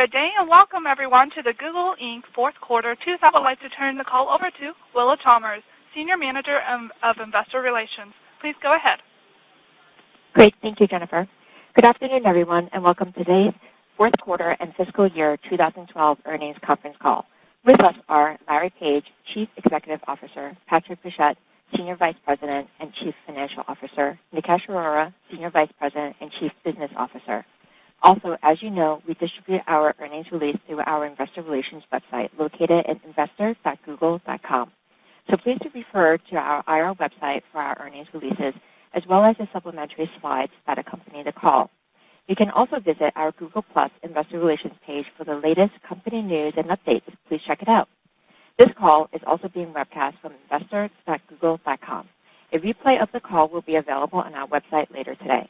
Good day and welcome, everyone, to the Google Inc. Fourth Quarter 2012. I would like to turn the call over to Willa Chalmers, Senior Manager of Investor Relations. Please go ahead. Great. Thank you, Jennifer. Good afternoon, everyone, and welcome to today's Fourth Quarter and Fiscal Year 2012 Earnings Conference Call. With us are Larry Page, Chief Executive Officer. Patrick Pichette, Senior Vice President and Chief Financial Officer. Nikesh Arora, Senior Vice President and Chief Business Officer. Also, as you know, we distribute our earnings release through our Investor Relations website located at investor.google.com. So please refer to our IR website for our earnings releases, as well as the supplementary slides that accompany the call. You can also visit our Google+ Investor Relations page for the latest company news and updates. Please check it out. This call is also being webcast from investor.google.com. A replay of the call will be available on our website later today.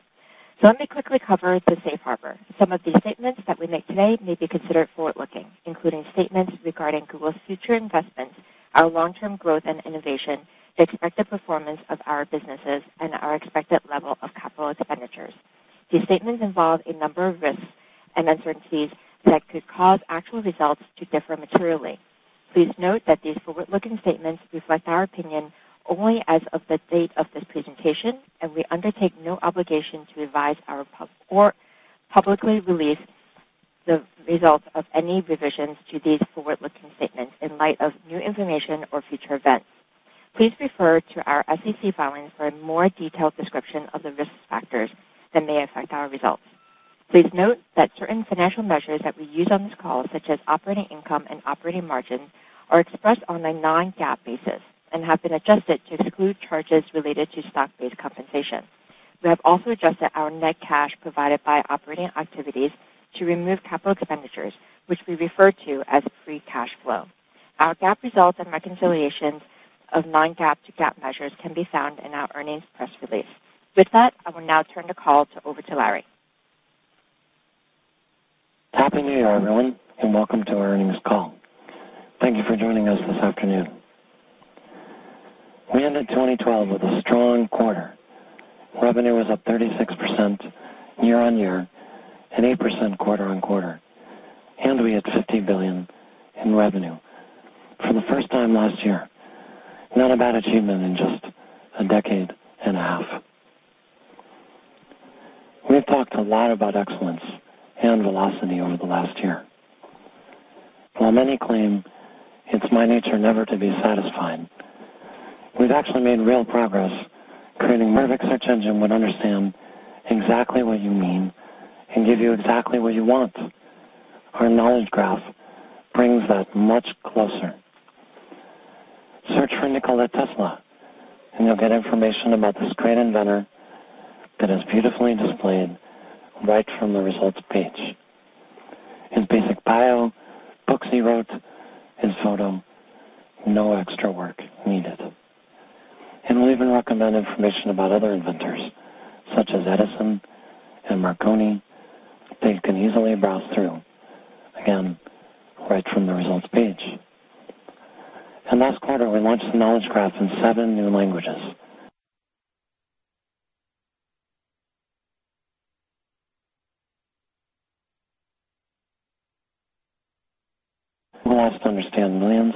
So let me quickly cover the safe harbor. Some of the statements that we make today may be considered forward-looking, including statements regarding Google's future investments, our long-term growth and innovation, the expected performance of our businesses, and our expected level of capital expenditures. These statements involve a number of risks and uncertainties that could cause actual results to differ materially. Please note that these forward-looking statements reflect our opinion only as of the date of this presentation, and we undertake no obligation to advise or publicly release the results of any revisions to these forward-looking statements in light of new information or future events. Please refer to our SEC filings for a more detailed description of the risk factors that may affect our results. Please note that certain financial measures that we use on this call, such as operating income and operating margin, are expressed on a non-GAAP basis and have been adjusted to exclude charges related to stock-based compensation. We have also adjusted our net cash provided by operating activities to remove capital expenditures, which we refer to as free cash flow. Our GAAP results and reconciliations of non-GAAP to GAAP measures can be found in our earnings press release. With that, I will now turn the call over to Larry. Happy New Year, everyone, and welcome to our earnings call. Thank you for joining us this afternoon. We ended 2012 with a strong quarter. Revenue was up 36% year on year and 8% quarter on quarter, and we had $50 billion in revenue for the first time last year. Not a bad achievement in just a decade and a half. We've talked a lot about excellence and velocity over the last year. While many claim it's my nature never to be satisfied, we've actually made real progress creating a perfect search engine that would understand exactly what you mean and give you exactly what you want. Our Knowledge Graph brings that much closer. Search for Nikola Tesla, and you'll get information about this great inventor that is beautifully displayed right from the results page. His basic bio, books he wrote, his photo, no extra work needed. We'll even recommend information about other inventors such as Edison and Marconi that you can easily browse through, again, right from the results page. Last quarter, we launched the Knowledge Graph in seven new languages. We'll also understand millions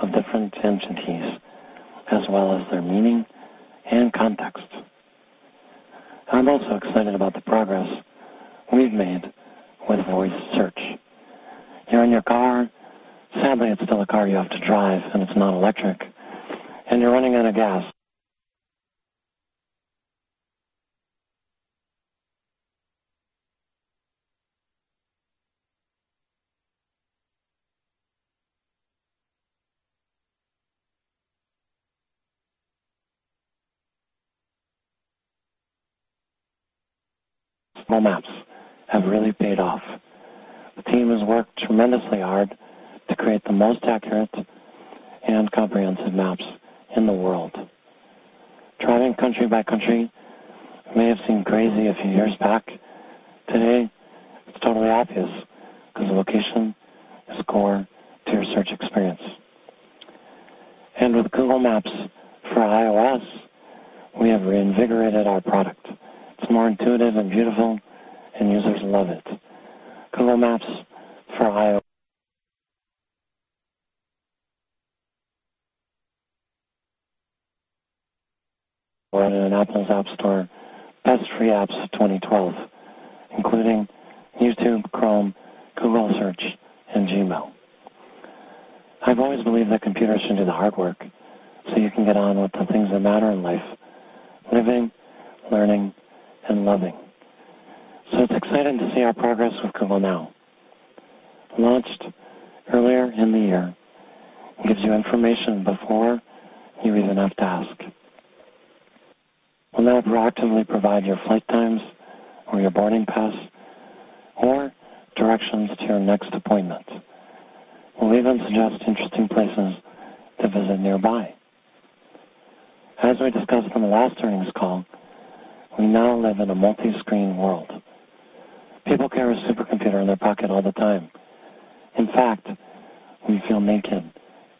of different entities, as well as their meaning and context. I'm also excited about the progress we've made with voice search. You're in your car. Sadly, it's still a car you have to drive, and it's not electric, and you're running out of gas. Google Maps have really paid off. The team has worked tremendously hard to create the most accurate and comprehensive maps in the world. Driving country by country may have seemed crazy a few years back. Today, it's totally obvious because location is core to your search experience. With Google Maps for iOS, we have reinvigorated our product. It's more intuitive and beautiful, and users love it. Google Maps for iOS and Apple's App Store, best free apps of 2012, including YouTube, Chrome, Google Search, and Gmail. I've always believed that computers should do the hard work so you can get on with the things that matter in life: living, learning, and loving, so it's exciting to see our progress with Google Now. Launched earlier in the year, it gives you information before you even have to ask. We'll now proactively provide your flight times or your boarding pass or directions to your next appointment. We'll even suggest interesting places to visit nearby. As we discussed on the last earnings call, we now live in a multi-screen world. People carry a supercomputer in their pocket all the time. In fact, we feel naked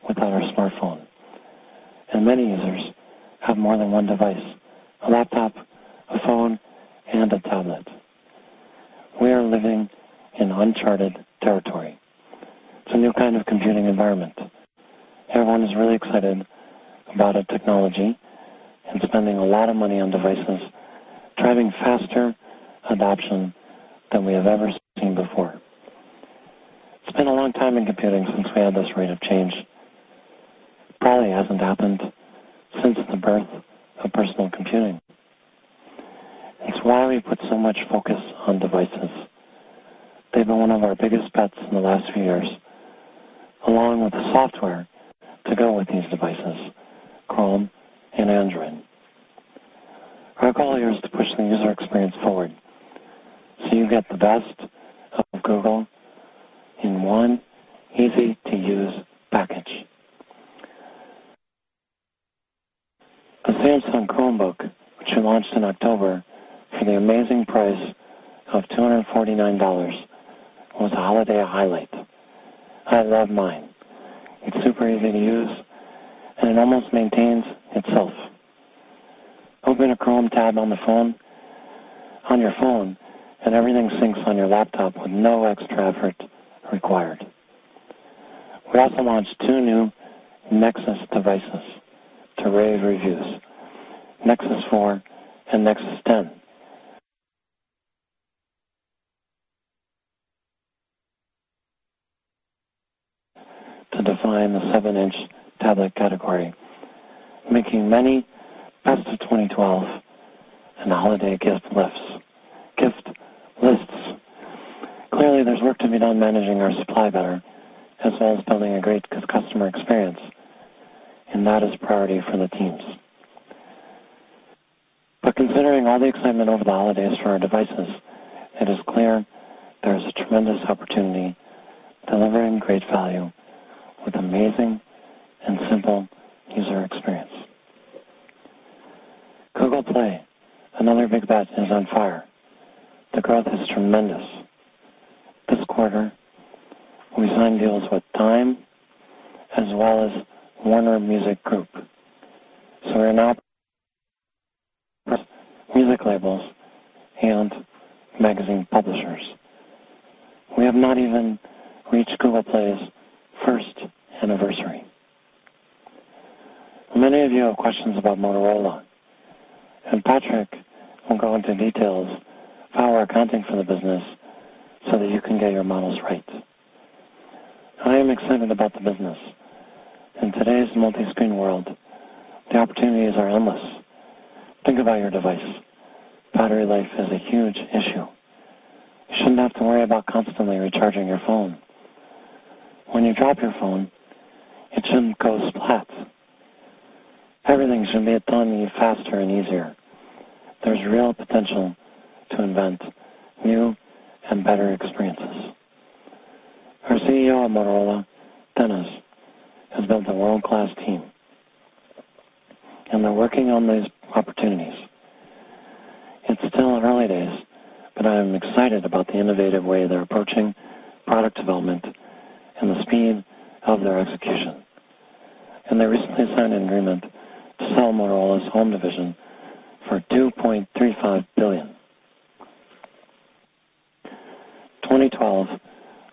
without our smartphone. And many users have more than one device: a laptop, a phone, and a tablet. We are living in uncharted territory. It's a new kind of computing environment. Everyone is really excited about our technology and spending a lot of money on devices, driving faster adoption than we have ever seen before. It's been a long time in computing since we had this rate of change. It probably hasn't happened since the birth of personal computing. It's why we put so much focus on devices. They've been one of our biggest bets in the last few years, along with the software to go with these devices: Chrome and Android. Our goal here is to push the user experience forward so you get the best of Google in one easy-to-use package. The Samsung Chromebook, which we launched in October for the amazing price of $249, was a holiday highlight. I love mine. It's super easy to use, and it almost maintains itself. Open a Chrome tab on your phone, and everything syncs on your laptop with no extra effort required. We also launched two new Nexus devices to rave reviews: Nexus 4 and Nexus 10, to define the 7-inch tablet category, making many best of 2012 and holiday gift lists. Clearly, there's work to be done managing our supply better, as well as building a great customer experience, and that is a priority for the teams. But considering all the excitement over the holidays for our devices, it is clear there is a tremendous opportunity delivering great value with amazing and simple user experience. Google Play, another big bet, is on fire. The growth is tremendous. This quarter, we signed deals with Time Inc., as well as Warner Music Group. So we're now producing music labels and magazine publishers. We have not even reached Google Play's first anniversary. Many of you have questions about Motorola, and Patrick will go into details of how we're accounting for the business so that you can get your models right. I am excited about the business. In today's multi-screen world, the opportunities are endless. Think about your device. Battery life is a huge issue. You shouldn't have to worry about constantly recharging your phone. When you drop your phone, it shouldn't go splat. Everything should be done faster and easier. There's real potential to invent new and better experiences. Our CEO of Motorola, Dennis, has built a world-class team, and they're working on these opportunities. It's still early days, but I am excited about the innovative way they're approaching product development and the speed of their execution, and they recently signed an agreement to sell Motorola's Home division for $2.35 billion. 2012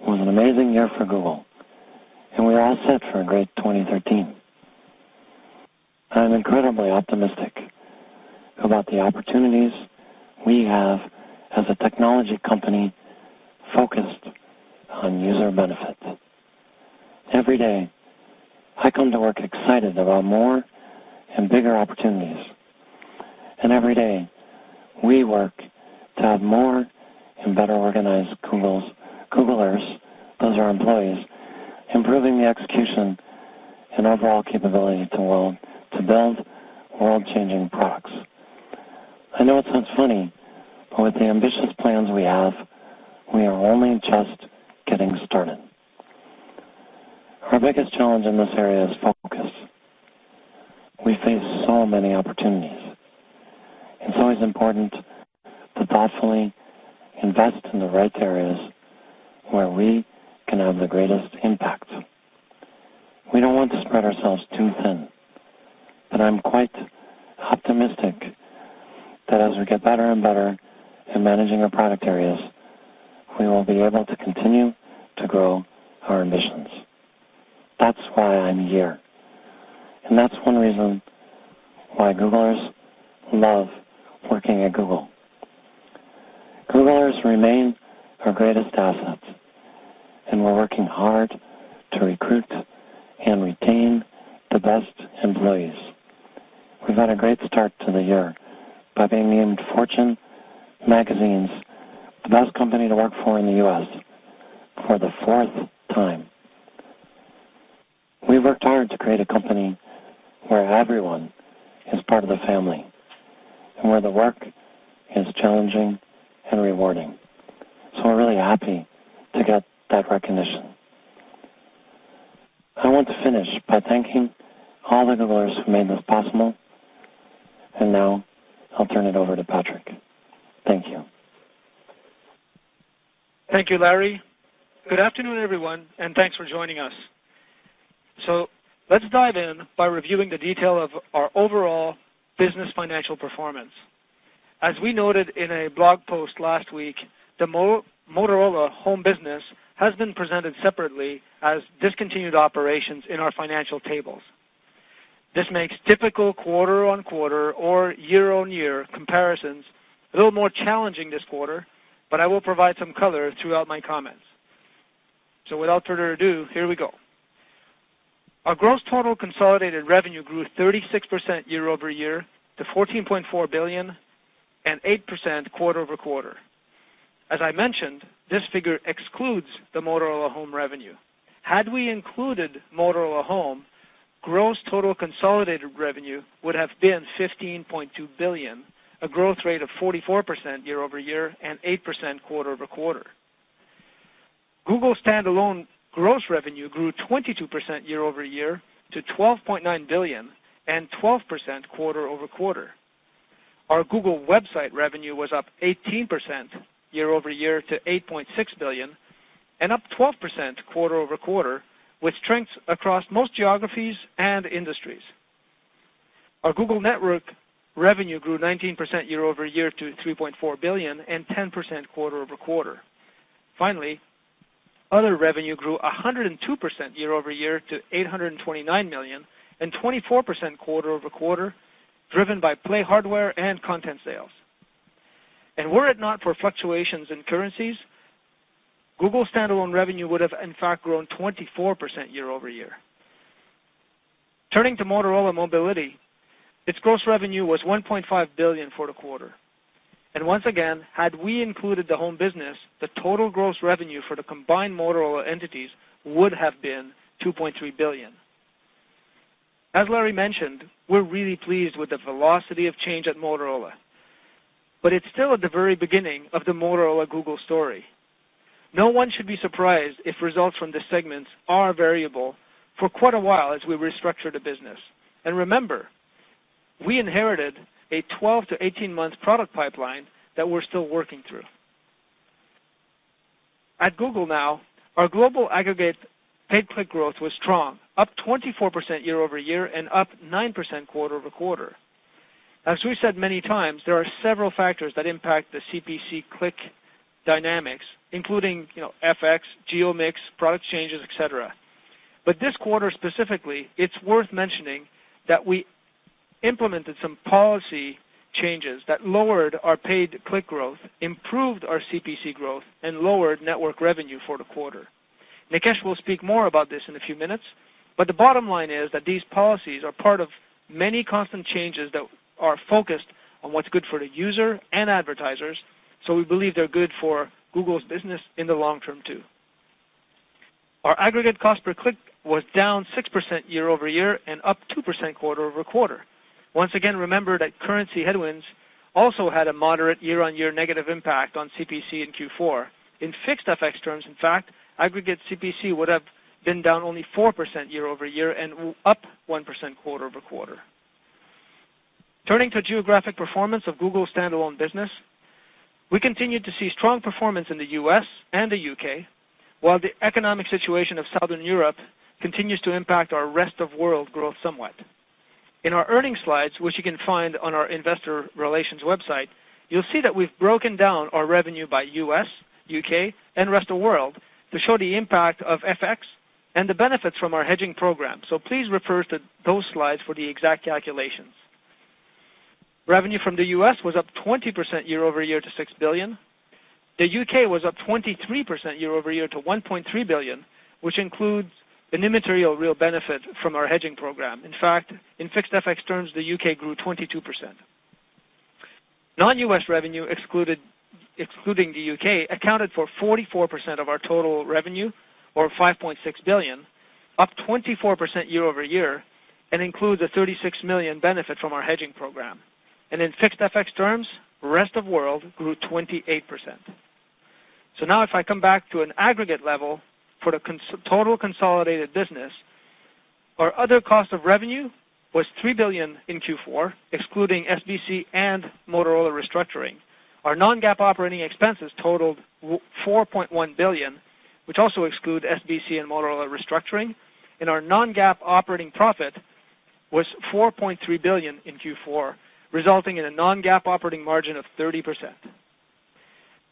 was an amazing year for Google, and we're all set for a great 2013. I'm incredibly optimistic about the opportunities we have as a technology company focused on user benefit. Every day, I come to work excited about more and bigger opportunities, and every day, we work to have more and better organized Googlers, those are employees, improving the execution and overall capability to build world-changing products. I know it sounds funny, but with the ambitious plans we have, we are only just getting started. Our biggest challenge in this area is focus. We face so many opportunities. It's always important to thoughtfully invest in the right areas where we can have the greatest impact. We don't want to spread ourselves too thin, but I'm quite optimistic that as we get better and better at managing our product areas, we will be able to continue to grow our ambitions. That's why I'm here, and that's one reason why Googlers love working at Google. Googlers remain our greatest asset, and we're working hard to recruit and retain the best employees. We've had a great start to the year by being named Fortune Magazine's best company to work for in the U.S. for the fourth time. We've worked hard to create a company where everyone is part of the family and where the work is challenging and rewarding. So we're really happy to get that recognition. I want to finish by thanking all the Googlers who made this possible, and now I'll turn it over to Patrick. Thank you. Thank you, Larry. Good afternoon, everyone, and thanks for joining us. So let's dive in by reviewing the detail of our overall business financial performance. As we noted in a blog post last week, the Motorola Home business has been presented separately as discontinued operations in our financial tables. This makes typical quarter-on-quarter or year-on-year comparisons a little more challenging this quarter, but I will provide some color throughout my comments. So without further ado, here we go. Our gross total consolidated revenue grew 36% year over year to $14.4 billion and 8% quarter over quarter. As I mentioned, this figure excludes the Motorola Home revenue. Had we included Motorola Home, gross total consolidated revenue would have been $15.2 billion, a growth rate of 44% year over year and 8% quarter over quarter. Google standalone gross revenue grew 22% year over year to $12.9 billion and 12% quarter over quarter. Our Google Websites revenue was up 18% year over year to $8.6 billion and up 12% quarter over quarter, with strengths across most geographies and industries. Our Google Network revenue grew 19% year over year to $3.4 billion and 10% quarter over quarter. Finally, other revenue grew 102% year over year to $829 million and 24% quarter over quarter, driven by Play hardware and content sales, and were it not for fluctuations in currencies, Google standalone revenue would have, in fact, grown 24% year over year. Turning to Motorola Mobility, its gross revenue was $1.5 billion for the quarter, and once again, had we included the home business, the total gross revenue for the combined Motorola entities would have been $2.3 billion. As Larry mentioned, we're really pleased with the velocity of change at Motorola, but it's still at the very beginning of the Motorola Google story. No one should be surprised if results from this segment are variable for quite a while as we restructure the business, and remember, we inherited a 12-18-month product pipeline that we're still working through. At Google now, our global aggregate paid click growth was strong, up 24% year over year and up 9% quarter over quarter. As we've said many times, there are several factors that impact the CPC click dynamics, including FX, geo mix, product changes, etc, but this quarter specifically, it's worth mentioning that we implemented some policy changes that lowered our paid click growth, improved our CPC growth, and lowered network revenue for the quarter. Nikesh will speak more about this in a few minutes, but the bottom line is that these policies are part of many constant changes that are focused on what's good for the user and advertisers, so we believe they're good for Google's business in the long term too. Our aggregate cost per click was down 6% year over year and up 2% quarter over quarter. Once again, remember that currency headwinds also had a moderate year-on-year negative impact on CPC in Q4. In fixed FX terms, in fact, aggregate CPC would have been down only 4% year over year and up 1% quarter over quarter. Turning to geographic performance of Google standalone business, we continue to see strong performance in the U.S. and the U.K., while the economic situation of Southern Europe continues to impact our Rest of World growth somewhat. In our earnings slides, which you can find on our investor relations website, you'll see that we've broken down our revenue by U.S., U.K., and Rest of World to show the impact of FX and the benefits from our hedging program. So please refer to those slides for the exact calculations. Revenue from the U.S. was up 20% year over year to $6 billion. The U.K. was up 23% year over year to $1.3 billion, which includes the immaterial real benefit from our hedging program. In fact, in fixed FX terms, the U.K. grew 22%. Non-U.S. revenue, excluding the U.K., accounted for 44% of our total revenue, or $5.6 billion, up 24% year over year and includes a $36 million benefit from our hedging program, and in fixed FX terms, Rest of World grew 28%. So now, if I come back to an aggregate level for the total consolidated business, our other cost of revenue was $3 billion in Q4, excluding SBC and Motorola restructuring. Our non-GAAP operating expenses totaled $4.1 billion, which also excludes SBC and Motorola restructuring. And our non-GAAP operating profit was $4.3 billion in Q4, resulting in a non-GAAP operating margin of 30%.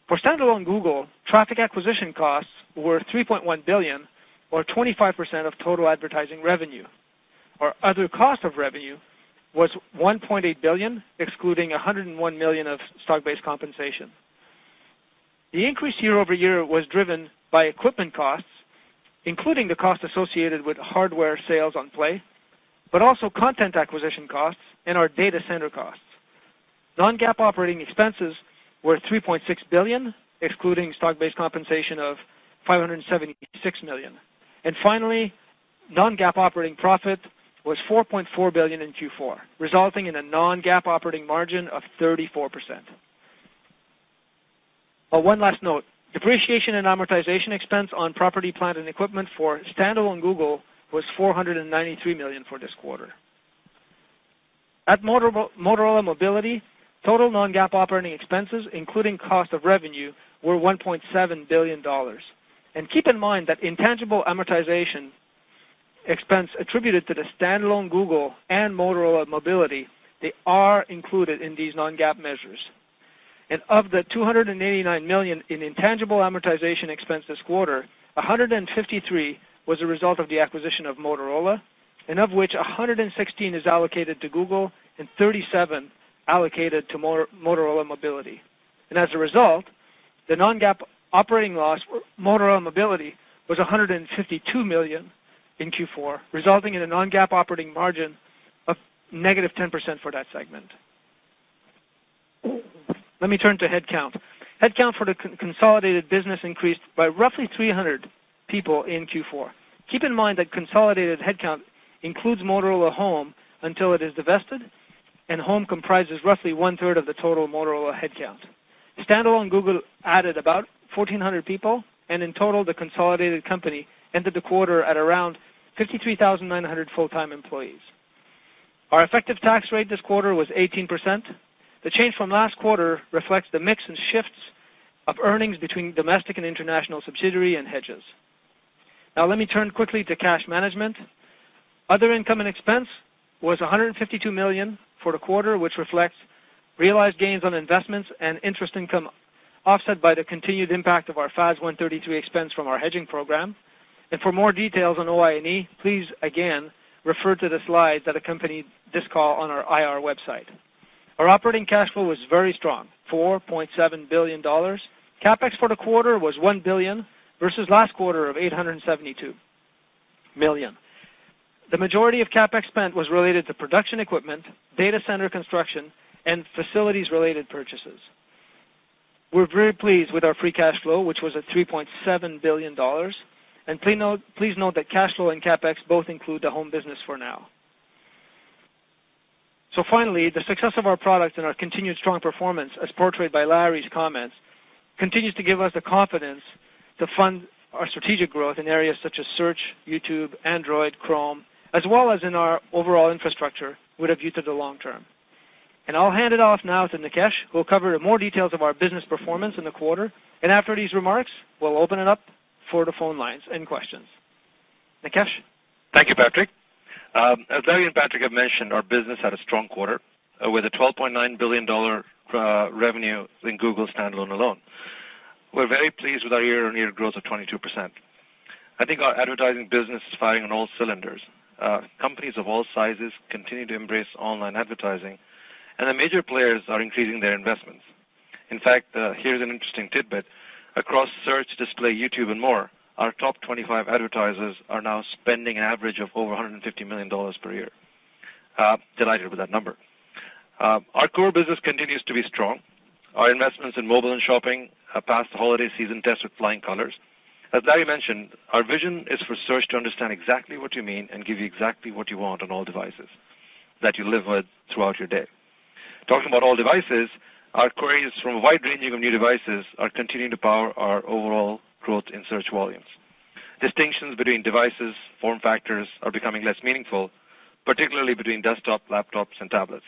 For standalone Google, traffic acquisition costs were $3.1 billion, or 25% of total advertising revenue. Our other cost of revenue was $1.8 billion, excluding $101 million of stock-based compensation. The increase year over year was driven by equipment costs, including the cost associated with hardware sales on Play, but also content acquisition costs and our data center costs. Non-GAAP operating expenses were $3.6 billion, excluding stock-based compensation of $576 million. And finally, non-GAAP operating profit was $4.4 billion in Q4, resulting in a non-GAAP operating margin of 34%. One last note: depreciation and amortization expense on property, plant, and equipment for standalone Google was $493 million for this quarter. At Motorola Mobility, total non-GAAP operating expenses, including cost of revenue, were $1.7 billion. And keep in mind that intangible amortization expense attributed to the standalone Google and Motorola Mobility, they are included in these non-GAAP measures. And of the $289 million in intangible amortization expense this quarter, $153 was a result of the acquisition of Motorola, and of which $116 is allocated to Google and $37 allocated to Motorola Mobility. And as a result, the non-GAAP operating loss for Motorola Mobility was $152 million in Q4, resulting in a non-GAAP operating margin of negative 10% for that segment. Let me turn to headcount. Headcount for the consolidated business increased by roughly 300 people in Q4. Keep in mind that consolidated headcount includes Motorola Home until it is divested, and Home comprises roughly one-third of the total Motorola headcount. Standalone Google added about 1,400 people, and in total, the consolidated company ended the quarter at around 53,900 full-time employees. Our effective tax rate this quarter was 18%. The change from last quarter reflects the mix and shifts of earnings between domestic and international subsidiary and hedges. Now, let me turn quickly to cash management. Other income and expense was $152 million for the quarter, which reflects realized gains on investments and interest income offset by the continued impact of our FAS 133 expense from our hedging program, and for more details on OI&E, please again refer to the slides that accompany this call on our IR website. Our operating cash flow was very strong, $4.7 billion. CapEx for the quarter was $1 billion versus last quarter of $872 million. The majority of CapEx spent was related to production equipment, data center construction, and facilities-related purchases. We're very pleased with our free cash flow, which was at $3.7 billion. Please note that cash flow and CapEx both include the home business for now. Finally, the success of our products and our continued strong performance, as portrayed by Larry's comments, continues to give us the confidence to fund our strategic growth in areas such as Search, YouTube, Android, Chrome, as well as in our overall infrastructure we'll use in the long term. I'll hand it off now to Nikesh, who will cover more details of our business performance in the quarter. After these remarks, we'll open it up for the phone lines and questions. Nikesh. Thank you, Patrick. As Larry and Patrick have mentioned, our business had a strong quarter with a $12.9 billion revenue in Google websites alone. We're very pleased with our year-on-year growth of 22%. I think our advertising business is firing on all cylinders. Companies of all sizes continue to embrace online advertising, and the major players are increasing their investments. In fact, here's an interesting tidbit. Across Search, Display, YouTube, and more, our top 25 advertisers are now spending an average of over $150 million per year. Delighted with that number. Our core business continues to be strong. Our investments in mobile and shopping have passed the holiday season test with flying colors. As Larry mentioned, our vision is for Search to understand exactly what you mean and give you exactly what you want on all devices that you live with throughout your day. Talking about all devices, our queries from a wide range of new devices are continuing to power our overall growth in search volumes. Distinctions between devices, form factors are becoming less meaningful, particularly between desktops, laptops, and tablets.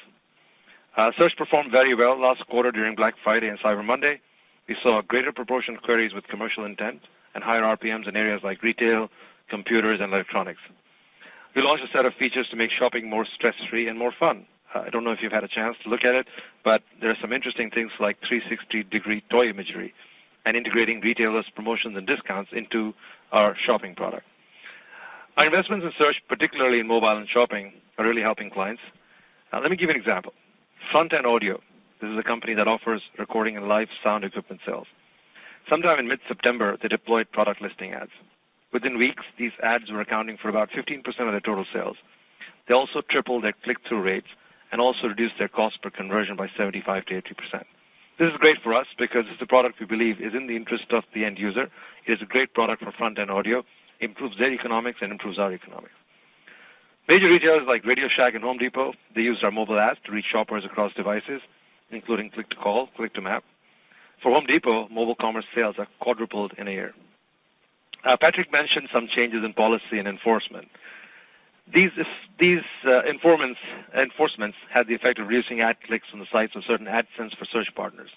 Search performed very well last quarter during Black Friday and Cyber Monday. We saw a greater proportion of queries with commercial intent and higher RPMs in areas like retail, computers, and electronics. We launched a set of features to make shopping more stress-free and more fun. I don't know if you've had a chance to look at it, but there are some interesting things like 360-degree toy imagery and integrating retailers' promotions and discounts into our shopping product. Our investments in Search, particularly in mobile and shopping, are really helping clients. Let me give you an example. Front End Audio, this is a company that offers recording and live sound equipment sales. Sometime in mid-September, they deployed Product Listing Ads. Within weeks, these ads were accounting for about 15% of their total sales. They also tripled their click-through rates and also reduced their cost per conversion by 75%-80%. This is great for us because it's a product we believe is in the interest of the end user. It is a great product for Front End Audio, improves their economics and improves our economics. Major retailers like RadioShack and Home Depot, they use our mobile apps to reach shoppers across devices, including click-to-call, click-to-map. For Home Depot, mobile commerce sales have quadrupled in a year. Patrick mentioned some changes in policy and enforcement. These enforcements had the effect of reducing ad clicks on the sites of certain AdSense for Search partners.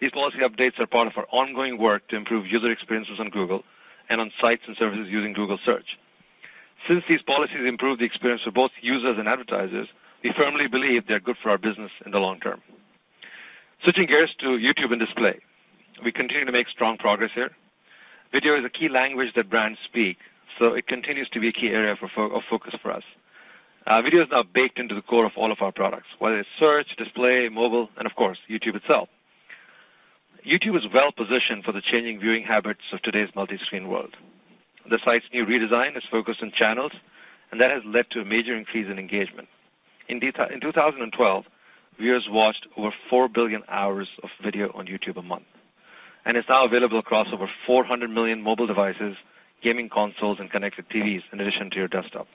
These policy updates are part of our ongoing work to improve user experiences on Google and on sites and services using Google Search. Since these policies improve the experience for both users and advertisers, we firmly believe they're good for our business in the long term. Switching gears to YouTube and Display, we continue to make strong progress here. Video is a key language that brands speak, so it continues to be a key area of focus for us. Video is now baked into the core of all of our products, whether it's Search, Display, Mobile, and of course, YouTube itself. YouTube is well-positioned for the changing viewing habits of today's multi-screen world. The site's new redesign is focused on channels, and that has led to a major increase in engagement. In 2012, viewers watched over four billion hours of video on YouTube a month, and it's now available across over 400 million mobile devices, gaming consoles, and connected TVs in addition to your desktop.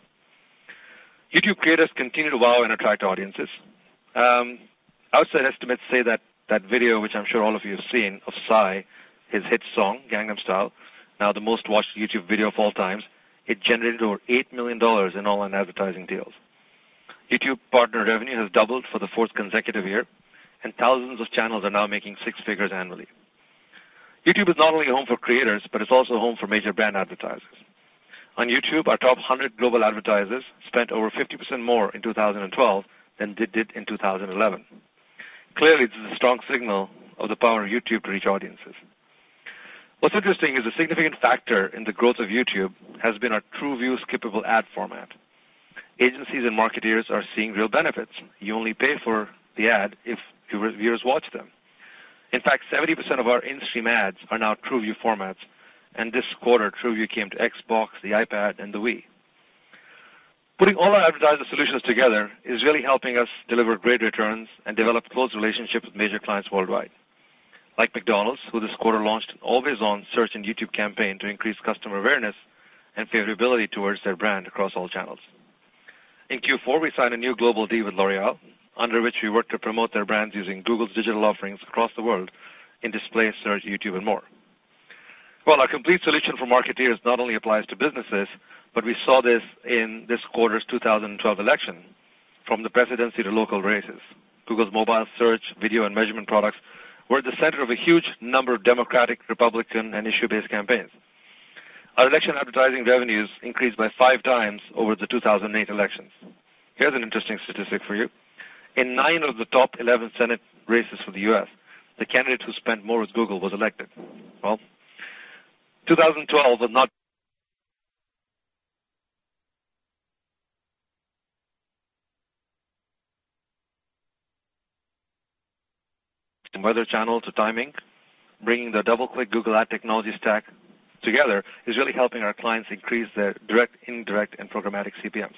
YouTube creators continue to wow and attract audiences. Outside estimates say that video, which I'm sure all of you have seen of Psy, his hit song, "Gangnam Style," now the most-watched YouTube video of all time, it generated over $8 million in online advertising deals. YouTube partner revenue has doubled for the fourth consecutive year, and thousands of channels are now making six figures annually. YouTube is not only a home for creators, but it's also a home for major brand advertisers. On YouTube, our top 100 global advertisers spent over 50% more in 2012 than they did in 2011. Clearly, this is a strong signal of the power of YouTube to reach audiences. What's interesting is a significant factor in the growth of YouTube has been our TrueView-capable ad format. Agencies and marketeers are seeing real benefits. You only pay for the ad if your viewers watch them. In fact, 70% of our in-stream ads are now TrueView formats, and this quarter, TrueView came to Xbox, the iPad, and the Wii. Putting all our advertising solutions together is really helping us deliver great returns and develop close relationships with major clients worldwide, like McDonald's, who this quarter launched an always-on Search and YouTube campaign to increase customer awareness and favorability towards their brand across all channels. In Q4, we signed a new global deal with L'Oréal, under which we worked to promote their brands using Google's digital offerings across the world in Display, Search, YouTube, and more. Our complete solution for marketers not only applies to businesses, but we saw this in this quarter's 2012 election. From the presidency to local races, Google's mobile search, video, and measurement products were at the center of a huge number of Democratic, Republican, and issue-based campaigns. Our election advertising revenues increased by five times over the 2008 elections. Here's an interesting statistic for you. In nine of the top 11 Senate races for the U.S., the candidate who spent more with Google was elected. 2012 was notable. Bringing the DoubleClick Google Ad Technology stack together is really helping our clients increase their direct, indirect, and programmatic CPMs.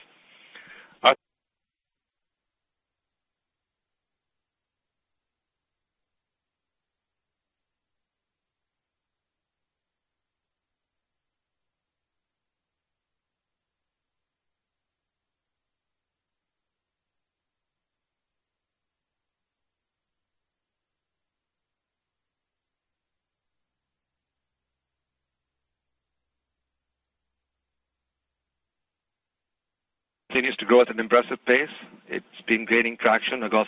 Continues to grow at an impressive pace. It's been gaining traction across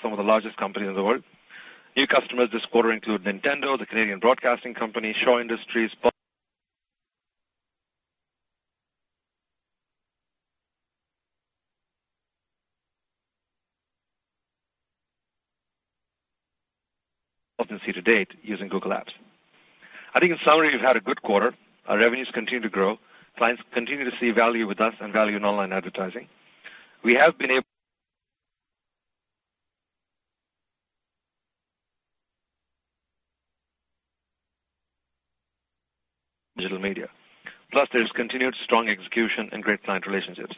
some of the largest companies in the world. New customers this quarter include Nintendo, the Canadian Broadcasting Company, Shaw Industries. To date using Google Apps. I think in summary, we've had a good quarter. Our revenues continue to grow. Clients continue to see value with us and value in online advertising. We have been able. Digital media. Plus, there's continued strong execution and great client relationships.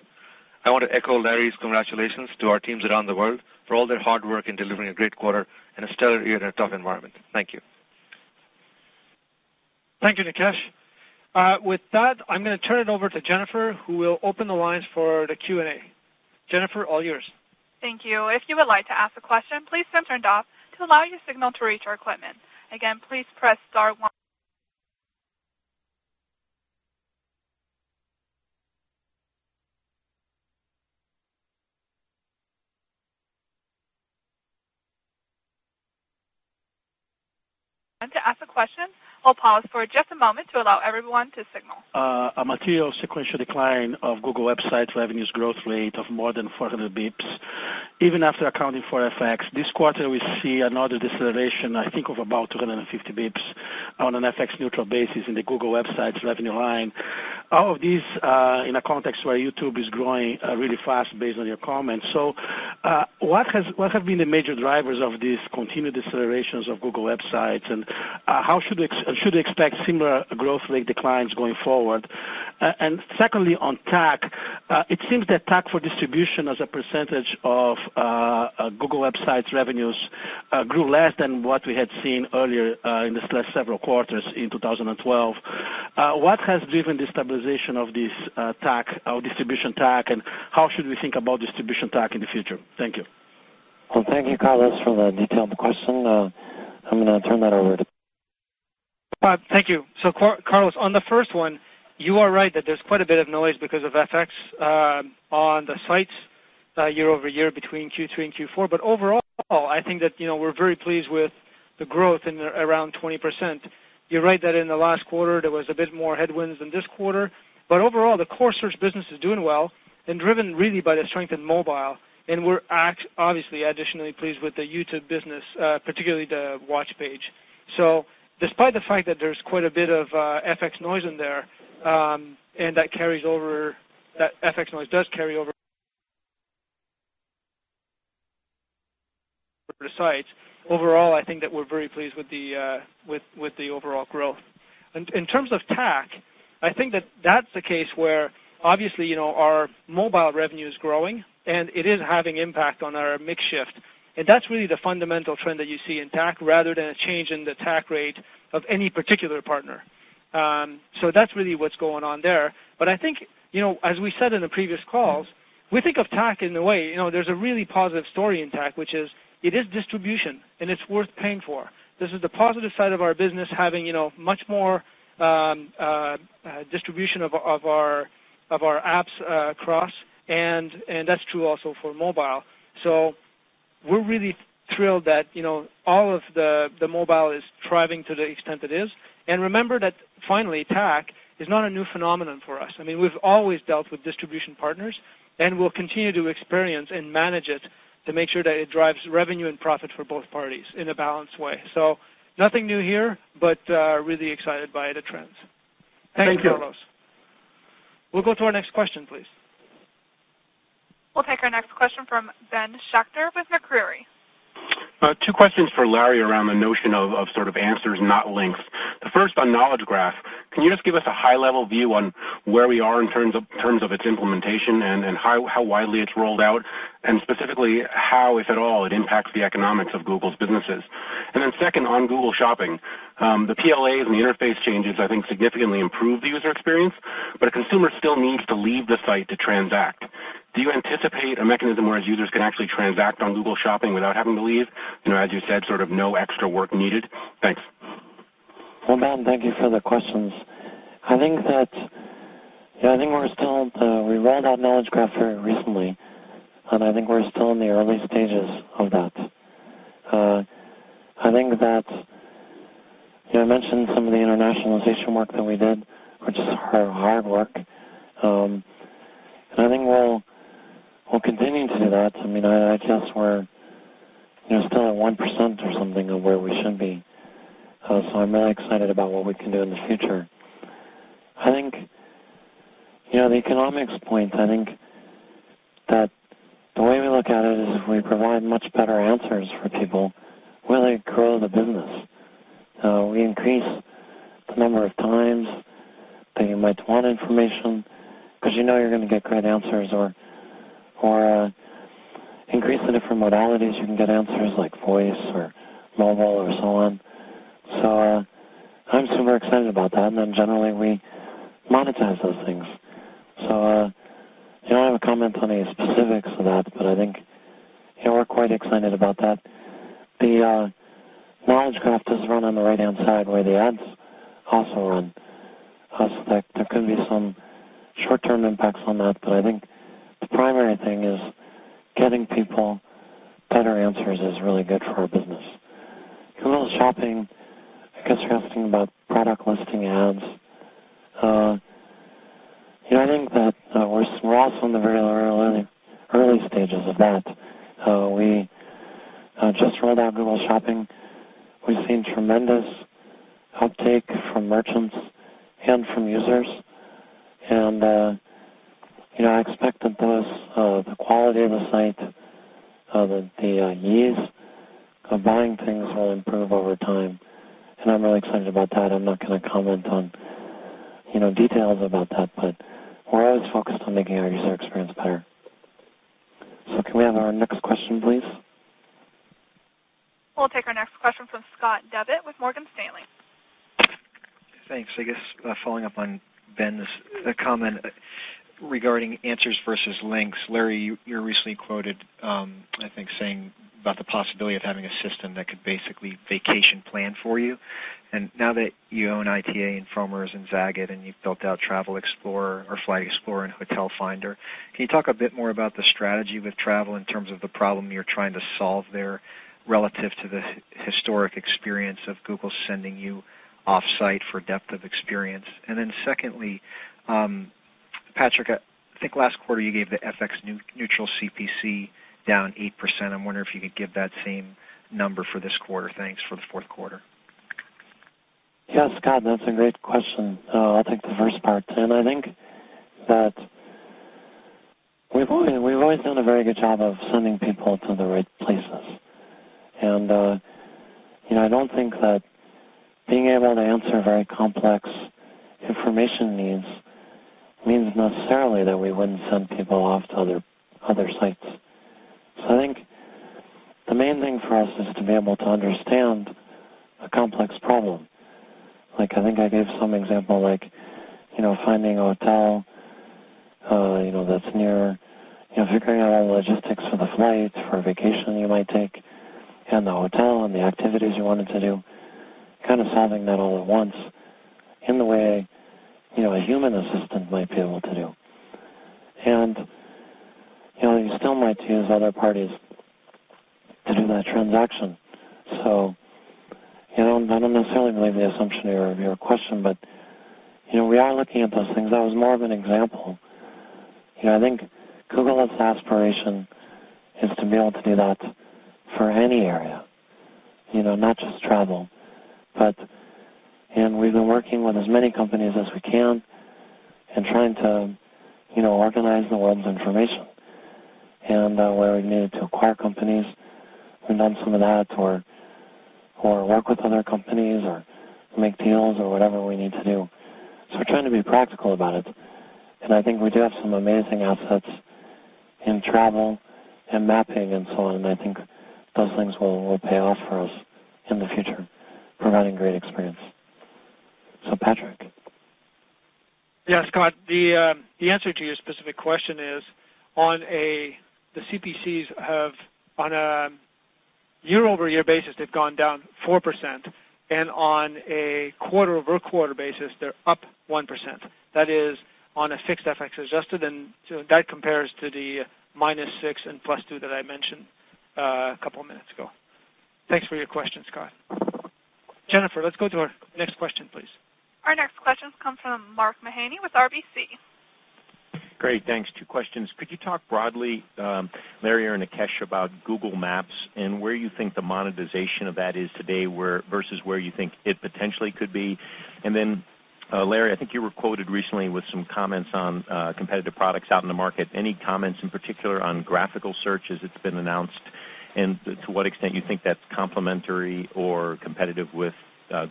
I want to echo Larry's congratulations to our teams around the world for all their hard work in delivering a great quarter in a stellar year in a tough environment. Thank you. Thank you, Nikesh. With that, I'm going to turn it over to Jennifer, who will open the lines for the Q&A. Jennifer, all yours. Thank you. If you would like to ask a question, please press star one. Turn off to allow your signal to reach our equipment. Again, please press star one. To ask a question, I'll pause for just a moment to allow everyone to signal. A material sequential decline of Google website revenues growth rate of more than 400 basis points, even after accounting for FX. This quarter, we see another deceleration, I think, of about 250 basis points on an FX neutral basis in the Google website revenue line. All of these in a context where YouTube is growing really fast based on your comments. So what have been the major drivers of these continued decelerations of Google websites? And how should we expect similar growth rate declines going forward? And secondly, on TAC, it seems that TAC for distribution as a percentage of Google website revenues grew less than what we had seen earlier in the last several quarters in 2012. What has driven the stabilization of this TAC or distribution TAC, and how should we think about distribution TAC in the future? Thank you. Thank you, Carlos, for the detailed question. I'm going to turn that over to. Thank you. So Carlos, on the first one, you are right that there's quite a bit of noise because of FX on the sites year over year between Q3 and Q4. But overall, I think that we're very pleased with the growth in around 20%. You're right that in the last quarter, there was a bit more headwinds than this quarter. But overall, the core search business is doing well and driven really by the strength in mobile. And we're obviously additionally pleased with the YouTube business, particularly the watch page. So despite the fact that there's quite a bit of FX noise in there and that carries over, that FX noise does carry over. Overall, I think that we're very pleased with the overall growth. In terms of TAC, I think that that's the case where obviously our mobile revenue is growing and it is having impact on our mix shift. And that's really the fundamental trend that you see in TAC rather than a change in the TAC rate of any particular partner. So that's really what's going on there. But I think, as we said in the previous calls, we think of TAC in a way, there's a really positive story in TAC, which is it is distribution and it's worth paying for. This is the positive side of our business having much more distribution of our apps across. And that's true also for mobile. So we're really thrilled that all of the mobile is thriving to the extent it is. And remember that finally, TAC is not a new phenomenon for us. I mean, we've always dealt with distribution partners and we'll continue to experience and manage it to make sure that it drives revenue and profit for both parties in a balanced way. So nothing new here, but really excited by the trends. Thank you. We'll go to our next question, please. We'll take our next question from Ben Schachter with Macquarie. Two questions for Larry around the notion of sort of answers, not links. The first, on Knowledge Graph, can you just give us a high-level view on where we are in terms of its implementation and how widely it's rolled out? And specifically, how, if at all, it impacts the economics of Google's businesses? And then second, on Google Shopping, the PLAs and the interface changes, I think, significantly improve the user experience, but a consumer still needs to leave the site to transact. Do you anticipate a mechanism where users can actually transact on Google Shopping without having to leave? As you said, sort of no extra work needed. Thanks. Ben, thank you for the questions. I think that we rolled out Knowledge Graph very recently, and I think we're still in the early stages of that. I think that I mentioned some of the internationalization work that we did, which is hard work. And I think we'll continue to do that. I mean, I guess we're still at 1% or something of where we should be. So I'm really excited about what we can do in the future. I think the economics point, I think that the way we look at it is we provide much better answers for people, really grow the business. We increase the number of times that you might want information because you know you're going to get great answers or increase the different modalities. You can get answers like voice or mobile or so on. So I'm super excited about that. And then generally, we monetize those things. So I don't have a comment on any specifics of that, but I think we're quite excited about that. The Knowledge Graph does run on the right-hand side where the ads also run. So there could be some short-term impacts on that, but I think the primary thing is getting people better answers is really good for our business. Google Shopping, I guess you're asking about product listing ads. I think that we're also in the very early stages of that. We just rolled out Google Shopping. We've seen tremendous uptake from merchants and from users. And I expect that the quality of the site, the ease of buying things will improve over time. And I'm really excited about that. I'm not going to comment on details about that, but we're always focused on making our user experience better. So can we have our next question, please? We'll take our next question from Scott Devitt with Morgan Stanley. Thanks. I guess following up on Ben's comment regarding answers versus links, Larry, you recently quoted, I think, saying about the possibility of having a system that could basically vacation plan for you. And now that you own ITA and Frommer's and Zagat and you've built out Travel Explorer or Flight Explorer and Hotel Finder, can you talk a bit more about the strategy with travel in terms of the problem you're trying to solve there relative to the historic experience of Google sending you off-site for depth of experience? And then secondly, Patrick, I think last quarter you gave the FX neutral CPC down 8%. I'm wondering if you could give that same number for this quarter. Thanks for the fourth quarter. Yeah, Scott, that's a great question. I think the first part, and I think that we've always done a very good job of sending people to the right places. And I don't think that being able to answer very complex information needs means necessarily that we wouldn't send people off to other sites, so I think the main thing for us is to be able to understand a complex problem. I think I gave some example like finding a hotel that's near, figuring out all the logistics for the flight, for a vacation you might take, and the hotel and the activities you wanted to do, kind of solving that all at once in the way a human assistant might be able to do, and you still might use other parties to do that transaction. So I don't necessarily believe the assumption of your question, but we are looking at those things. That was more of an example. I think Google's aspiration is to be able to do that for any area, not just travel. And we've been working with as many companies as we can and trying to organize the world's information. And where we've needed to acquire companies, we've done some of that or work with other companies or make deals or whatever we need to do. So we're trying to be practical about it. And I think we do have some amazing assets in travel and mapping and so on. And I think those things will pay off for us in the future, providing great experience. So Patrick. Yeah, Scott, the answer to your specific question is, the CPCs have on a year-over-year basis, they've gone down 4%. And on a quarter-over-quarter basis, they're up 1%. That is on a fixed FX adjusted. And that compares to the minus 6% and plus 2% that I mentioned a couple of minutes ago. Thanks for your question, Scott. Jennifer, let's go to our next question, please. Our next question comes from Mark Mahaney with RBC. Great. Thanks. Two questions. Could you talk broadly, Larry or Nikesh, about Google Maps and where you think the monetization of that is today versus where you think it potentially could be? And then Larry, I think you were quoted recently with some comments on competitive products out in the market. Any comments in particular on graphical search as it's been announced? And to what extent you think that's complementary or competitive with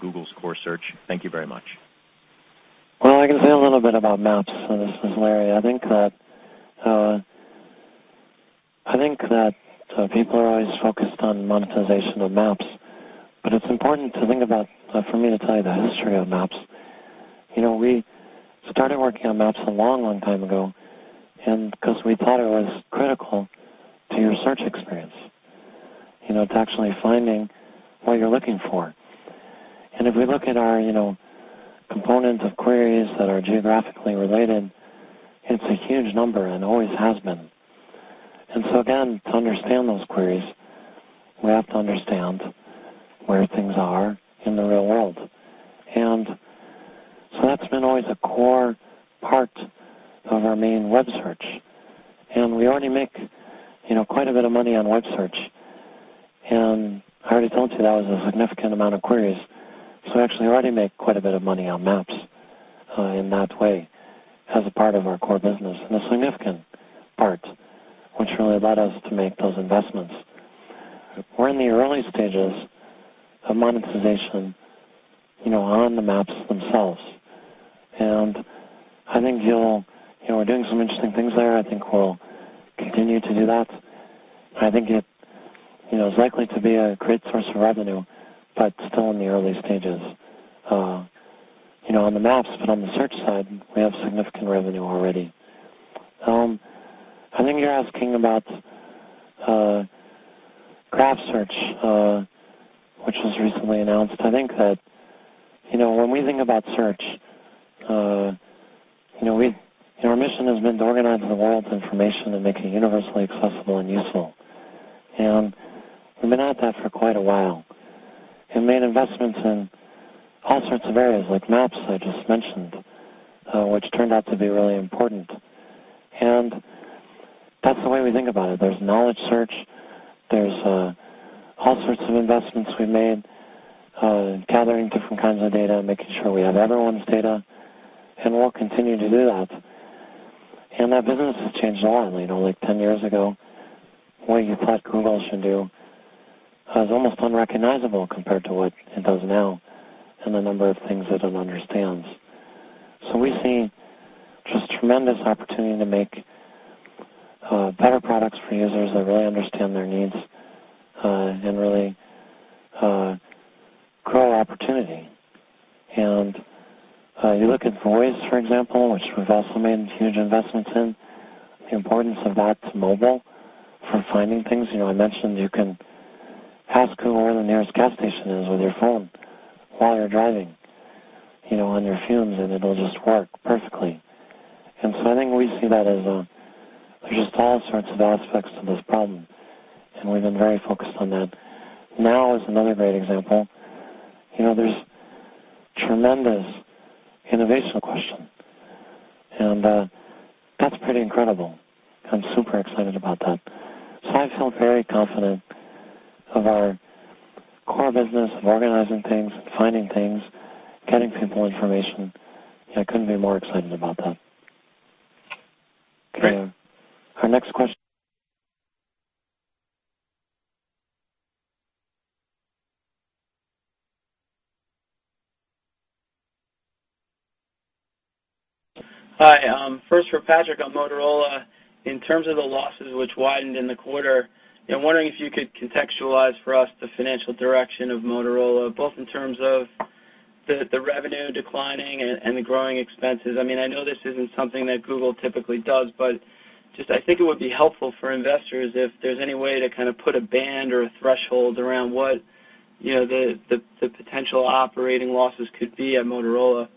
Google's core search? Thank you very much. I can say a little bit about Maps. This is Larry. I think that people are always focused on monetization of Maps, but it's important to think about for me to tell you the history of Maps. We started working on Maps a long, long time ago because we thought it was critical to your search experience, to actually finding what you're looking for. And if we look at our components of queries that are geographically related, it's a huge number and always has been. And so again, to understand those queries, we have to understand where things are in the real world. And so that's been always a core part of our main web search. And we already make quite a bit of money on web search. And I already told you that was a significant amount of queries. We actually already make quite a bit of money on Maps in that way as a part of our core business and a significant part, which really led us to make those investments. We're in the early stages of monetization on the Maps themselves. I think we're doing some interesting things there. I think we'll continue to do that. I think it's likely to be a great source of revenue, but still in the early stages on the Maps, but on the search side, we have significant revenue already. I think you're asking about Knowledge Graph, which was recently announced. I think that when we think about search, our mission has been to organize the world's information and make it universally accessible and useful. We've been at that for quite a while. And we made investments in all sorts of areas like Maps, I just mentioned, which turned out to be really important. And that's the way we think about it. There's knowledge search. There's all sorts of investments we've made, gathering different kinds of data, making sure we have everyone's data. And we'll continue to do that. And that business has changed a lot. Like 10 years ago, what you thought Google should do is almost unrecognizable compared to what it does now and the number of things that it understands. So we see just tremendous opportunity to make better products for users that really understand their needs and really grow opportunity. And you look at Voice, for example, which we've also made huge investments in, the importance of that to mobile for finding things. I mentioned you can ask who the nearest gas station is with your phone while you're driving on your fumes, and it'll just work perfectly. And so I think we see that as there's just all sorts of aspects to this problem. And we've been very focused on that. Now is another great example. There's tremendous innovation. Question. And that's pretty incredible. I'm super excited about that. So I feel very confident of our core business of organizing things, finding things, getting people information. I couldn't be more excited about that. Our next question. Hi. First, for Patrick on Motorola, in terms of the losses which widened in the quarter, I'm wondering if you could contextualize for us the financial direction of Motorola, both in terms of the revenue declining and the growing expenses. I mean, I know this isn't something that Google typically does, but just I think it would be helpful for investors if there's any way to kind of put a band or a threshold around what the potential operating losses could be at Motorola.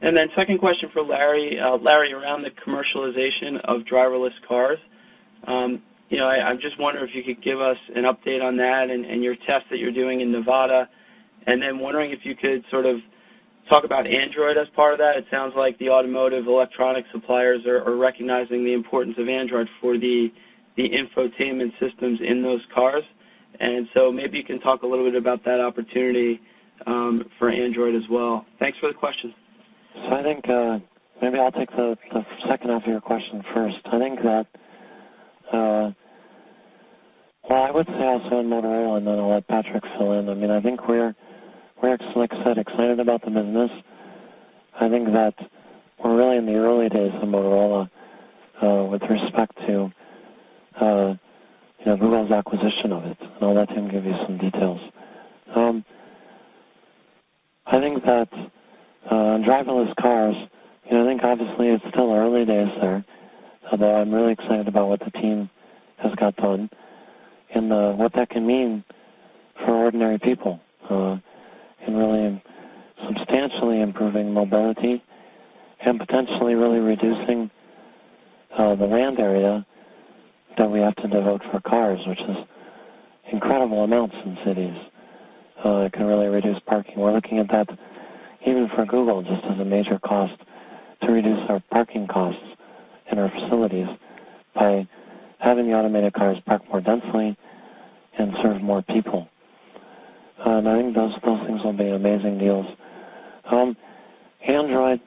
And then second question for Larry, Larry, around the commercialization of driverless cars. I'm just wondering if you could give us an update on that and your tests that you're doing in Nevada. And then wondering if you could sort of talk about Android as part of that. It sounds like the automotive electronic suppliers are recognizing the importance of Android for the infotainment systems in those cars. And so maybe you can talk a little bit about that opportunity for Android as well. Thanks for the question. So I think maybe I'll take the second half of your question first. I think that, well, I would say also on Motorola, and then I'll let Patrick fill in. I mean, I think we're, like I said, excited about the business. I think that we're really in the early days of Motorola with respect to Google's acquisition of it. And I'll let him give you some details. I think that on driverless cars, I think obviously it's still early days there, although I'm really excited about what the team has got done and what that can mean for ordinary people in really substantially improving mobility and potentially really reducing the land area that we have to devote for cars, which is incredible amounts in cities. It can really reduce parking. We're looking at that even for Google just as a major cost to reduce our parking costs and our facilities by having the automated cars park more densely and serve more people. And I think those things will be amazing deals. Android,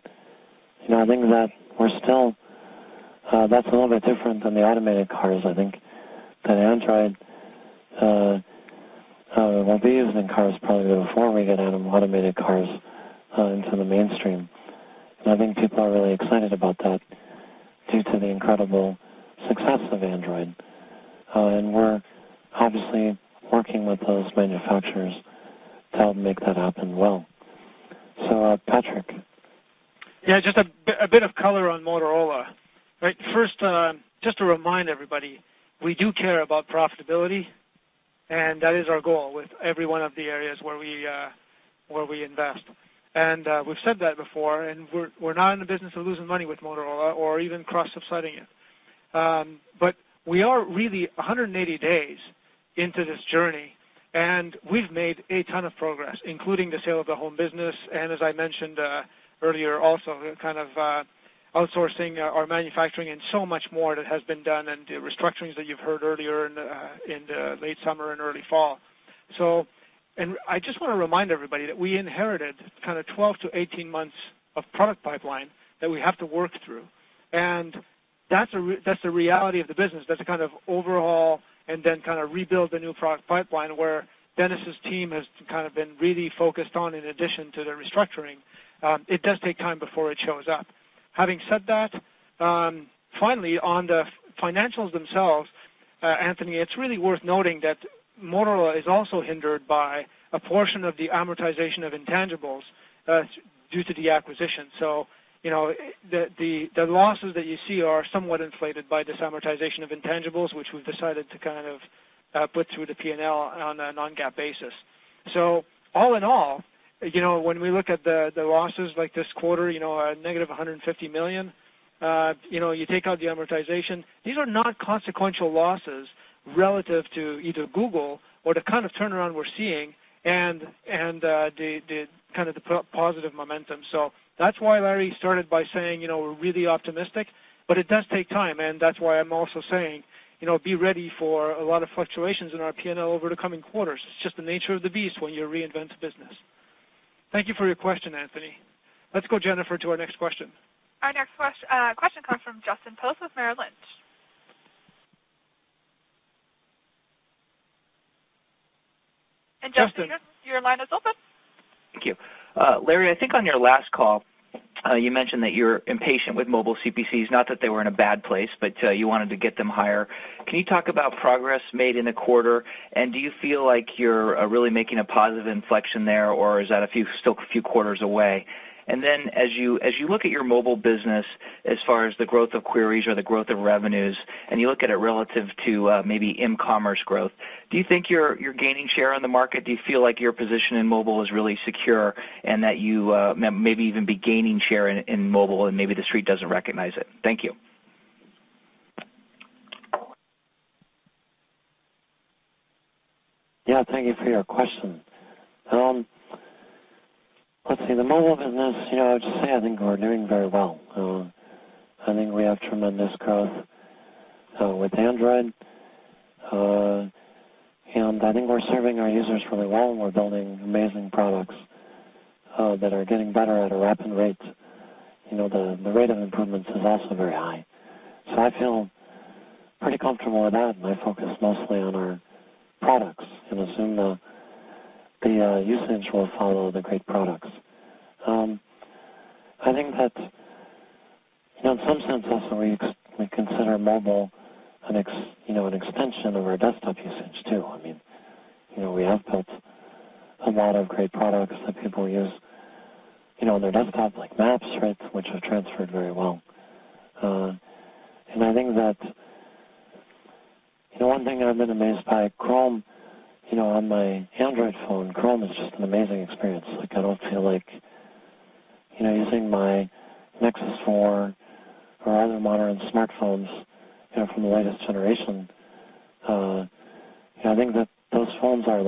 I think that we're still. That's a little bit different than the automated cars. I think that Android will be used in cars probably before we get automated cars into the mainstream. And I think people are really excited about that due to the incredible success of Android. And we're obviously working with those manufacturers to help make that happen well. So, Patrick. Yeah, just a bit of color on Motorola. First, just to remind everybody, we do care about profitability, and that is our goal with every one of the areas where we invest. And we've said that before, and we're not in the business of losing money with Motorola or even cross-subsiding it. But we are really 180 days into this journey, and we've made a ton of progress, including the sale of the home business. And as I mentioned earlier, also kind of outsourcing our manufacturing and so much more that has been done and the restructurings that you've heard earlier in the late summer and early fall. And I just want to remind everybody that we inherited kind of 12-18 months of product pipeline that we have to work through. And that's the reality of the business. That's a kind of overhaul and then kind of rebuild the new product pipeline where Dennis's team has kind of been really focused on in addition to the restructuring. It does take time before it shows up. Having said that, finally, on the financials themselves, Anthony, it's really worth noting that Motorola is also hindered by a portion of the amortization of intangibles due to the acquisition. So the losses that you see are somewhat inflated by this amortization of intangibles, which we've decided to kind of put through the P&L on a non-GAAP basis. So all in all, when we look at the losses like this quarter, a negative $150 million, you take out the amortization, these are not consequential losses relative to either Google or the kind of turnaround we're seeing and kind of the positive momentum. So that's why Larry started by saying we're really optimistic, but it does take time. And that's why I'm also saying be ready for a lot of fluctuations in our P&L over the coming quarters. It's just the nature of the beast when you reinvent the business. Thank you for your question, Anthony. Let's go, Jennifer, to our next question. Our next question comes from Justin Post with Merrill Lynch. And Justin, your line is open. Thank you. Larry, I think on your last call, you mentioned that you're impatient with mobile CPCs, not that they were in a bad place, but you wanted to get them higher. Can you talk about progress made in the quarter? And do you feel like you're really making a positive inflection there, or is that still a few quarters away? And then as you look at your mobile business as far as the growth of queries or the growth of revenues, and you look at it relative to maybe e-commerce growth, do you think you're gaining share on the market? Do you feel like your position in mobile is really secure and that you maybe even be gaining share in mobile and maybe the street doesn't recognize it? Thank you. Yeah, thank you for your question. Let's see. The mobile business, I would just say I think we're doing very well. I think we have tremendous growth with Android. And I think we're serving our users really well. We're building amazing products that are getting better at a rapid rate. The rate of improvements is also very high. So I feel pretty comfortable with that. And I focus mostly on our products and assume the usage will follow the great products. I think that in some sense, that's what we consider mobile an extension of our desktop usage too. I mean, we have built a lot of great products that people use on their desktop, like Maps, right, which have transferred very well. And I think that one thing I've been amazed by, Chrome on my Android phone. Chrome is just an amazing experience. I don't feel like using my Nexus 4 or other modern smartphones from the latest generation. I think that those phones are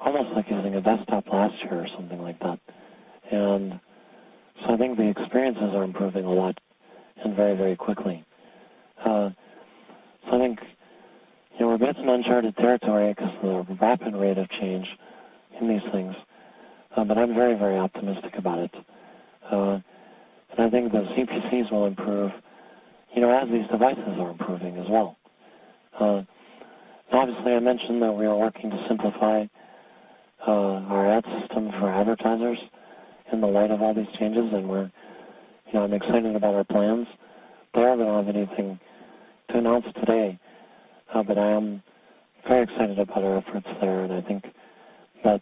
almost like using a desktop last year or something like that. And so I think the experiences are improving a lot and very, very quickly. So I think we're going to some uncharted territory because of the rapid rate of change in these things. But I'm very, very optimistic about it. And I think the CPCs will improve as these devices are improving as well. Obviously, I mentioned that we are working to simplify our ad system for advertisers in the light of all these changes. And I'm excited about our plans. They don't have anything to announce today, but I am very excited about our efforts there. And I think that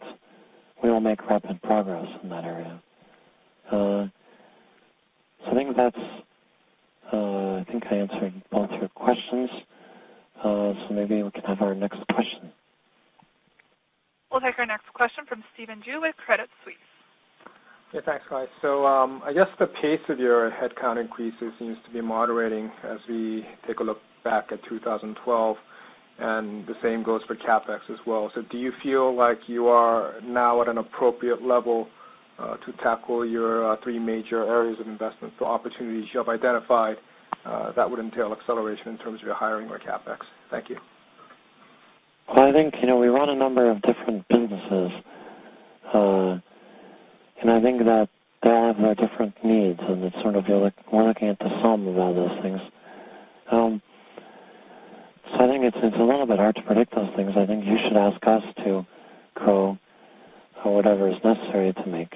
we will make rapid progress in that area. So, I think I answered both your questions. So, maybe we can have our next question. We'll take our next question from Stephen Ju with Credit Suisse. Yeah, thanks, guys. So I guess the pace of your headcount increases seems to be moderating as we take a look back at 2012. And the same goes for CapEx as well. So do you feel like you are now at an appropriate level to tackle your three major areas of investment for opportunities you have identified that would entail acceleration in terms of your hiring or CapEx? Thank you. I think we run a number of different businesses. I think that they all have their different needs. It's sort of we're looking at the sum of all those things. I think it's a little bit hard to predict those things. I think you should ask us to grow whatever is necessary to make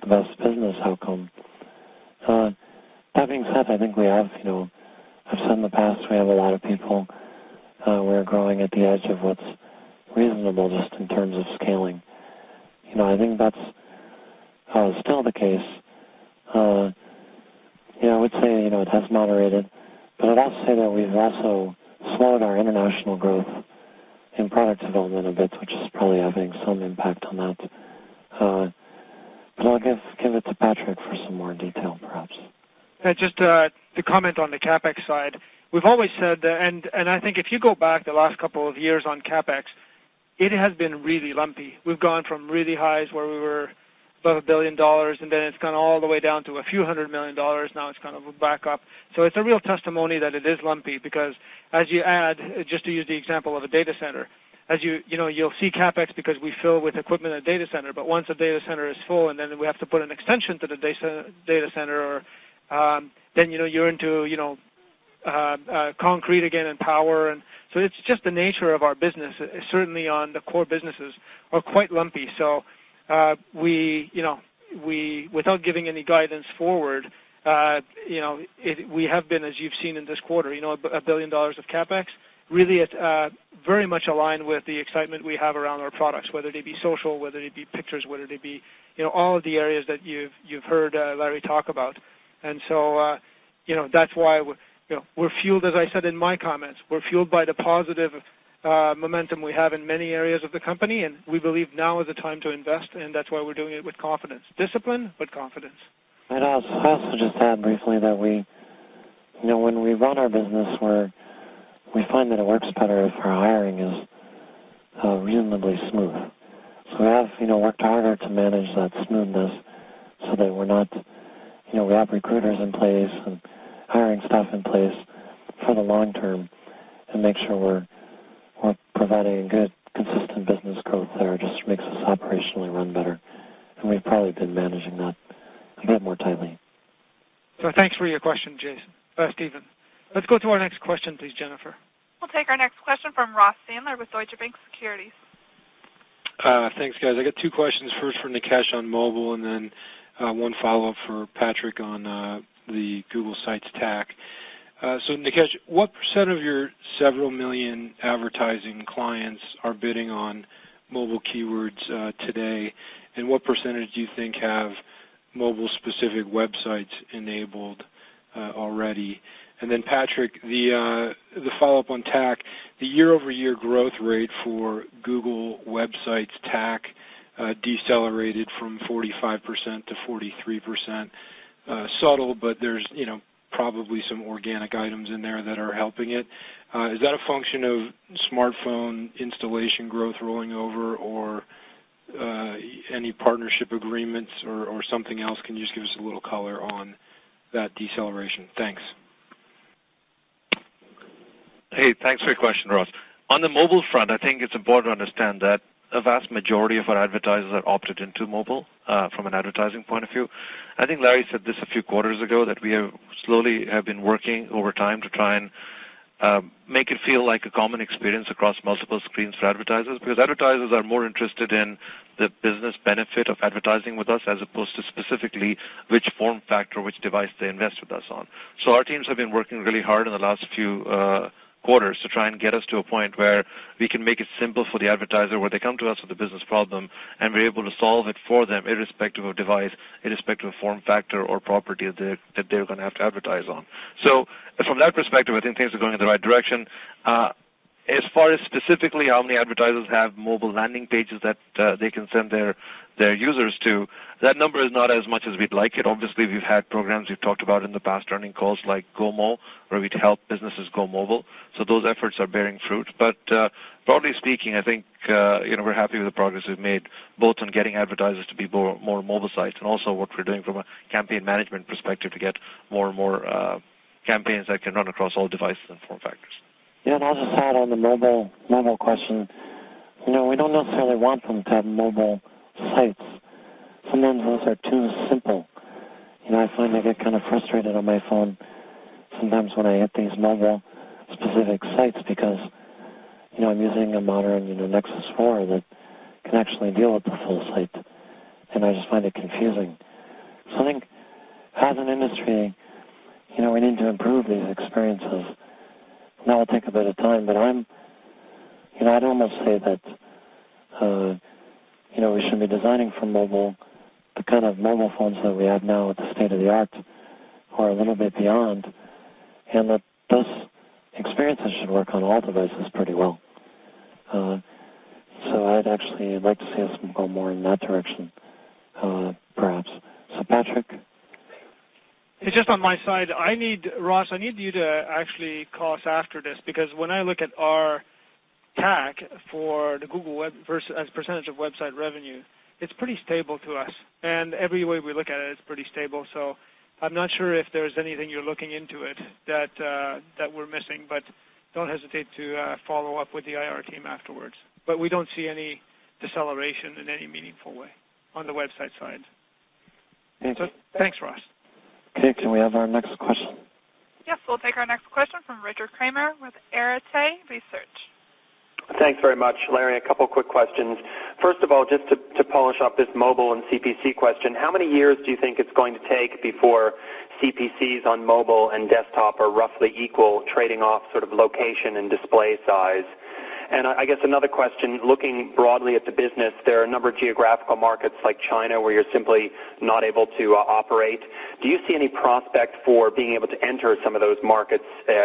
the best business outcome. That being said, I think, I've said in the past, we have a lot of people. We're growing at the edge of what's reasonable just in terms of scaling. I think that's still the case. I would say it has moderated. I'd also say that we've also slowed our international growth in product development a bit, which is probably having some impact on that. I'll give it to Patrick for some more detail, perhaps. Just to comment on the CapEx side, we've always said that. And I think if you go back the last couple of years on CapEx, it has been really lumpy. We've gone from real highs where we were above $1 billion, and then it's gone all the way down to a few hundred million dollars. Now it's kind of back up. So it's a real testimony that it is lumpy because as you add, just to use the example of a data center, you'll see CapEx because we fill with equipment at data center. But once a data center is full and then we have to put an extension to the data center, then you're into concrete again and power. And so it's just the nature of our business. Certainly, on the core businesses, we're quite lumpy. So we, without giving any guidance forward, we have been, as you've seen in this quarter, $1 billion of CapEx, really very much aligned with the excitement we have around our products, whether they be social, whether they be pictures, whether they be all of the areas that you've heard Larry talk about. And so that's why we're fueled, as I said in my comments, we're fueled by the positive momentum we have in many areas of the company. And we believe now is the time to invest. And that's why we're doing it with confidence, discipline, but confidence. I'd also just add briefly that when we run our business, we find that it works better if our hiring is reasonably smooth. So we have worked harder to manage that smoothness so that we're not. We have recruiters in place and hiring staff in place for the long term and make sure we're providing a good consistent business growth there just makes us operationally run better. And we've probably been managing that a bit more tightly. So thanks for your question, Stephen. Thanks, Stephen. Let's go to our next question, please, Jennifer. We'll take our next question from Ross Sandler with Deutsche Bank Securities. Thanks, guys. I got two questions. First, for Nikesh on mobile, and then one follow-up for Patrick on the Google sites TAC. So Nikesh, what percent of your several million advertising clients are bidding on mobile keywords today? And what percentage do you think have mobile-specific websites enabled already? And then Patrick, the follow-up on TAC, the year-over-year growth rate for Google websites TAC decelerated from 45% to 43%. Subtle, but there's probably some organic items in there that are helping it. Is that a function of smartphone installation growth rolling over or any partnership agreements or something else? Can you just give us a little color on that deceleration? Thanks. Hey, thanks for your question, Ross. On the mobile front, I think it's important to understand that a vast majority of our advertisers have opted into mobile from an advertising point of view. I think Larry said this a few quarters ago that we slowly have been working over time to try and make it feel like a common experience across multiple screens for advertisers because advertisers are more interested in the business benefit of advertising with us as opposed to specifically which form factor, which device they invest with us on. So our teams have been working really hard in the last few quarters to try and get us to a point where we can make it simple for the advertiser where they come to us with a business problem and we're able to solve it for them irrespective of device, irrespective of form factor or property that they're going to have to advertise on. So from that perspective, I think things are going in the right direction. As far as specifically how many advertisers have mobile landing pages that they can send their users to, that number is not as much as we'd like it. Obviously, we've had programs we've talked about in the past, running calls like Go Mobile, where we'd help businesses go mobile. So those efforts are bearing fruit. But broadly speaking, I think we're happy with the progress we've made both in getting advertisers to be more mobile sites and also what we're doing from a campaign management perspective to get more and more campaigns that can run across all devices and form factors. Yeah, and I'll just add on the mobile question. We don't necessarily want them to have mobile sites. Sometimes those are too simple. I find I get kind of frustrated on my phone sometimes when I hit these mobile-specific sites because I'm using a modern Nexus 4 that can actually deal with the full site. And I just find it confusing. So I think as an industry, we need to improve these experiences. Now it'll take a bit of time, but I'd almost say that we should be designing for mobile the kind of mobile phones that we have now at the state of the art or a little bit beyond, and that those experiences should work on all devices pretty well. So I'd actually like to see us go more in that direction, perhaps. So Patrick? Hey, just on my side, I need, Ross, I need you to actually call us after this because when I look at our TAC for Google as a percentage of website revenue, it's pretty stable for us. And every way we look at it, it's pretty stable. So I'm not sure if there's anything you're looking into it that we're missing, but don't hesitate to follow up with the IR team afterwards. But we don't see any deceleration in any meaningful way on the website side. Thank you. Thanks, Ross. Okay, can we have our next question? Yes, we'll take our next question from Richard Kramer with Arete Research. Thanks very much, Larry. A couple of quick questions. First of all, just to polish up this mobile and CPC question, how many years do you think it's going to take before CPCs on mobile and desktop are roughly equal, trading off sort of location and display size? And I guess another question, looking broadly at the business, there are a number of geographical markets like China where you're simply not able to operate. Do you see any prospect for being able to enter some of those markets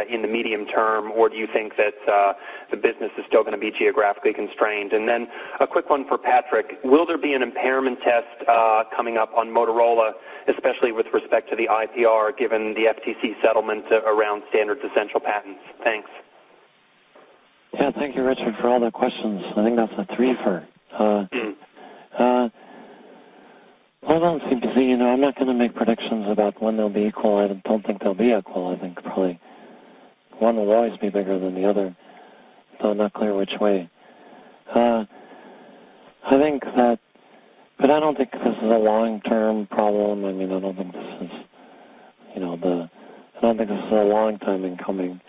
in the medium term, or do you think that the business is still going to be geographically constrained? And then a quick one for Patrick. Will there be an impairment test coming up on Motorola, especially with respect to the IPR given the FTC settlement around standard essential patents? Thanks. Yeah, thank you, Richard, for all the questions. I think that's a three for. Well, on CPC, I'm not going to make predictions about when they'll be equal. I don't think they'll be equal. I think probably one will always be bigger than the other, though I'm not clear which way. I think that, but I don't think this is a long-term problem. I mean, I don't think this is a long time in coming.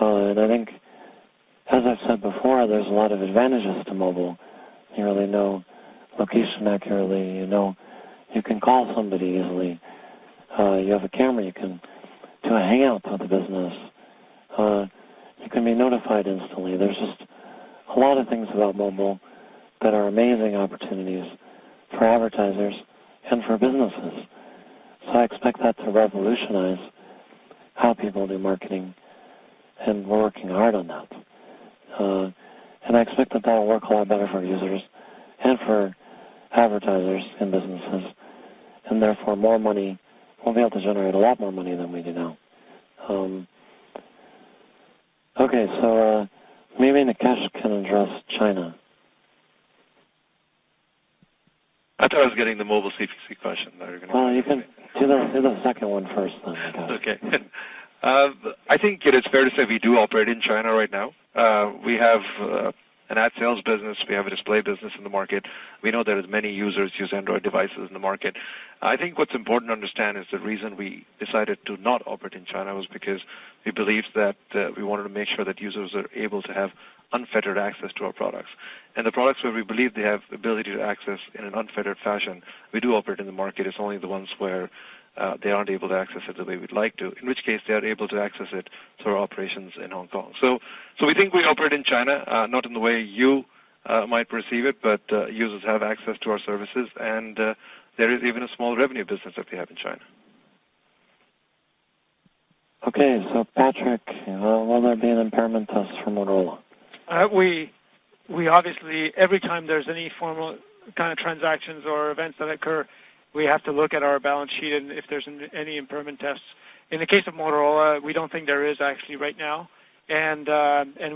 And I think, as I've said before, there's a lot of advantages to mobile. You really know location accurately. You can call somebody easily. You have a camera you can do a hangout with the business. You can be notified instantly. There's just a lot of things about mobile that are amazing opportunities for advertisers and for businesses. So I expect that to revolutionize how people do marketing. And we're working hard on that. And I expect that that will work a lot better for users and for advertisers and businesses. And therefore, more money, we'll be able to generate a lot more money than we do now. Okay, so maybe Nikesh can address China. I thought I was getting the mobile CPC question. Larry, you're going to answer it. You can do the second one first then. Okay. I think it is fair to say we do operate in China right now. We have an ad sales business. We have a display business in the market. We know that many users use Android devices in the market. I think what's important to understand is the reason we decided to not operate in China was because we believed that we wanted to make sure that users are able to have unfettered access to our products. And the products where we believe they have the ability to access in an unfettered fashion, we do operate in the market. It's only the ones where they aren't able to access it the way we'd like to, in which case they are able to access it through our operations in Hong Kong. So we think we operate in China, not in the way you might perceive it, but users have access to our services. And there is even a small revenue business that we have in China. Okay, so Patrick, will there be an impairment test for Motorola? We obviously, every time there's any formal kind of transactions or events that occur, we have to look at our balance sheet and if there's any impairment tests. In the case of Motorola, we don't think there is actually right now, and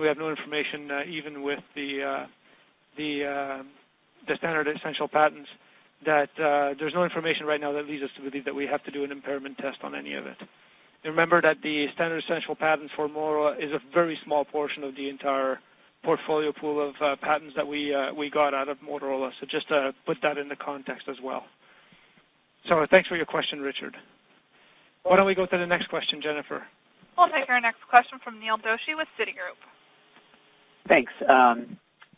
we have no information, even with the standard essential patents, that there's no information right now that leads us to believe that we have to do an impairment test on any of it. Remember that the standard essential patents for Motorola is a very small portion of the entire portfolio pool of patents that we got out of Motorola, so just to put that into context as well, so thanks for your question, Richard. Why don't we go to the next question, Jennifer? We'll take our next question from Neil Doshi with Citigroup. Thanks.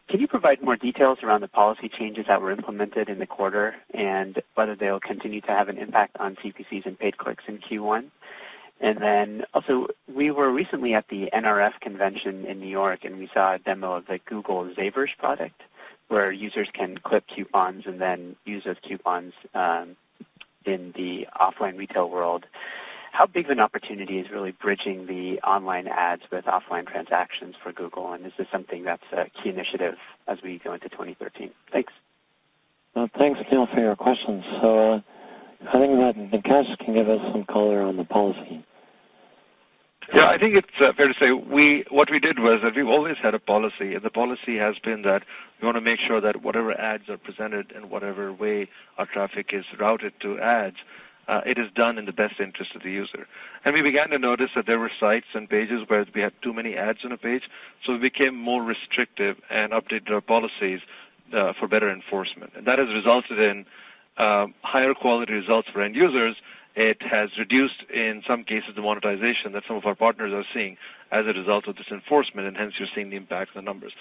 Can you provide more details around the policy changes that were implemented in the quarter and whether they'll continue to have an impact on CPCs and paid clicks in Q1? And then also, we were recently at the NRF convention in New York, and we saw a demo of the Zavers by Google product where users can clip coupons and then use those coupons in the offline retail world. How big of an opportunity is really bridging the online ads with offline transactions for Google? And is this something that's a key initiative as we go into 2013? Thanks. Thanks, Neil, for your questions. I think that Nikesh can give us some color on the policy. Yeah, I think it's fair to say what we did was we've always had a policy. And the policy has been that we want to make sure that whatever ads are presented in whatever way our traffic is routed to ads, it is done in the best interest of the user. And we began to notice that there were sites and pages where we had too many ads on a page. So we became more restrictive and updated our policies for better enforcement. And that has resulted in higher quality results for end users. It has reduced, in some cases, the monetization that some of our partners are seeing as a result of this enforcement. And hence, you're seeing the impact of the numbers.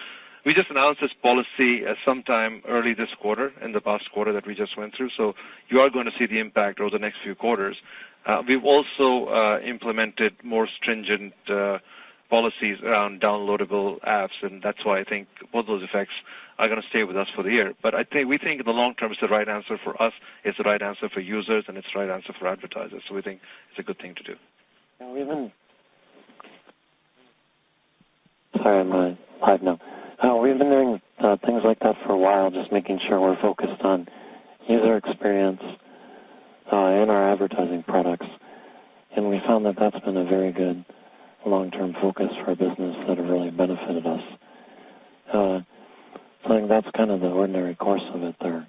We just announced this policy sometime early this quarter, in the past quarter that we just went through. You are going to see the impact over the next few quarters. We've also implemented more stringent policies around downloadable apps. That's why I think both those effects are going to stay with us for the year. We think in the long term, it's the right answer for us. It's the right answer for users, and it's the right answer for advertisers. We think it's a good thing to do. Sorry, I'm live now. We've been doing things like that for a while, just making sure we're focused on user experience in our advertising products. And we found that that's been a very good long-term focus for our business that has really benefited us. So I think that's kind of the ordinary course of it there.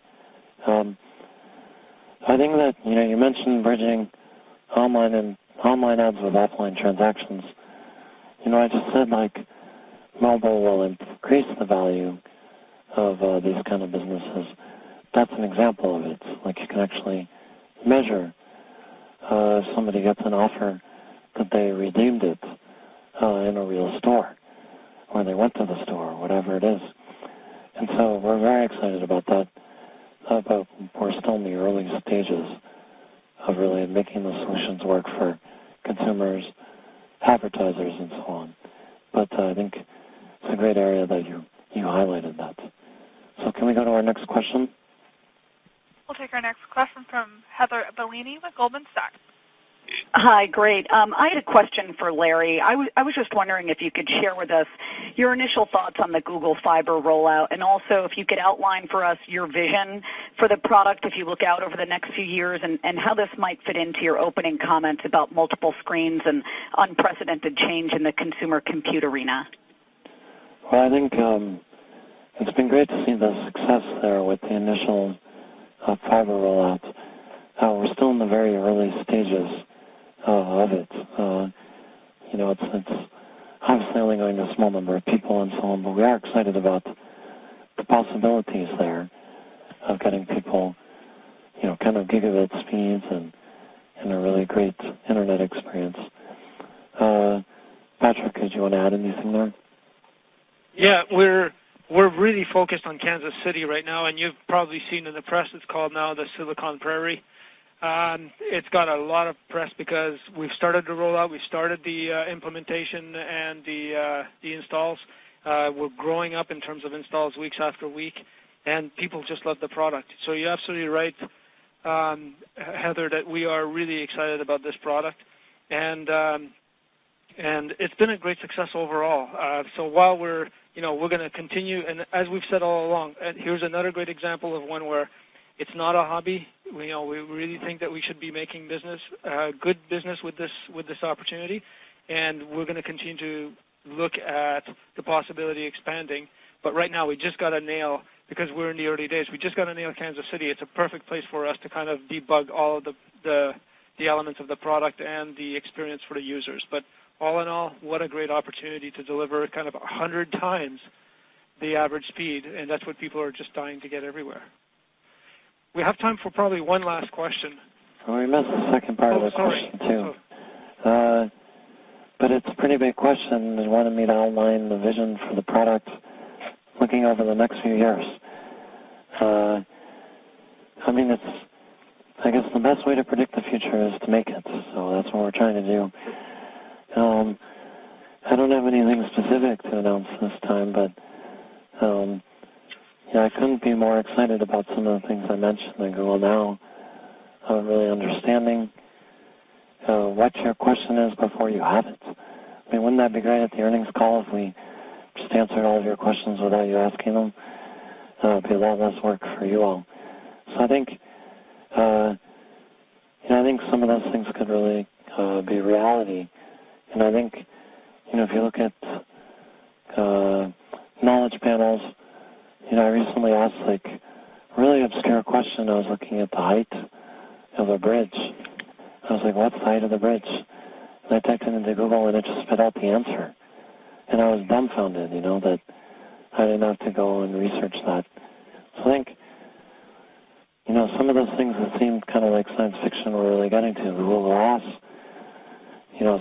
I think that you mentioned bridging online ads with offline transactions. I just said mobile will increase the value of these kinds of businesses. That's an example of it. You can actually measure if somebody gets an offer that they redeemed it in a real store or they went to the store or whatever it is. And so we're very excited about that. But we're still in the early stages of really making the solutions work for consumers, advertisers, and so on. But I think it's a great area that you highlighted that. So can we go to our next question? We'll take our next question from Heather Bellini with Goldman Sachs. Hi, great. I had a question for Larry. I was just wondering if you could share with us your initial thoughts on the Google Fiber rollout and also if you could outline for us your vision for the product if you look out over the next few years and how this might fit into your opening comments about multiple screens and unprecedented change in the consumer compute arena. I think it's been great to see the success there with the initial fiber rollout. We're still in the very early stages of it. It's obviously only going to a small number of people and so on, but we are excited about the possibilities there of getting people kind of gigabit speeds and a really great internet experience. Patrick, did you want to add anything there? Yeah, we're really focused on Kansas City right now. And you've probably seen in the press it's called now the Silicon Prairie. It's got a lot of press because we've started to roll out. We've started the implementation and the installs. We're growing up in terms of installs week after week. And people just love the product. So you're absolutely right, Heather, that we are really excited about this product. And it's been a great success overall. So while we're going to continue, and as we've said all along, here's another great example of when it's not a hobby. We really think that we should be making business, good business with this opportunity. And we're going to continue to look at the possibility of expanding. But right now, we just got to nail it because we're in the early days. We just got to nail Kansas City. It's a perfect place for us to kind of debug all of the elements of the product and the experience for the users. But all in all, what a great opportunity to deliver kind of 100 times the average speed. And that's what people are just dying to get everywhere. We have time for probably one last question. Oh, we missed the second part of the question too. But it's a pretty big question, and I want to outline the vision for the product looking out over the next few years. I mean, I guess the best way to predict the future is to make it. So that's what we're trying to do. I don't have anything specific to announce this time, but I couldn't be more excited about some of the things I mentioned. I know I'm really understanding what your question is before you ask it. I mean, wouldn't that be great at the earnings call if we just answered all of your questions without you asking them? It would be a lot less work for you all. So I think some of those things could really be reality. And I think if you look at Knowledge Panels, I recently asked a really obscure question. I was looking at the height of a bridge. I was like, "What's the height of the bridge?" and I typed it into Google, and it just spit out the answer, and I was dumbfounded that I didn't have to go and research that, so I think some of those things that seem kind of like science fiction we're really getting to, Google Glass,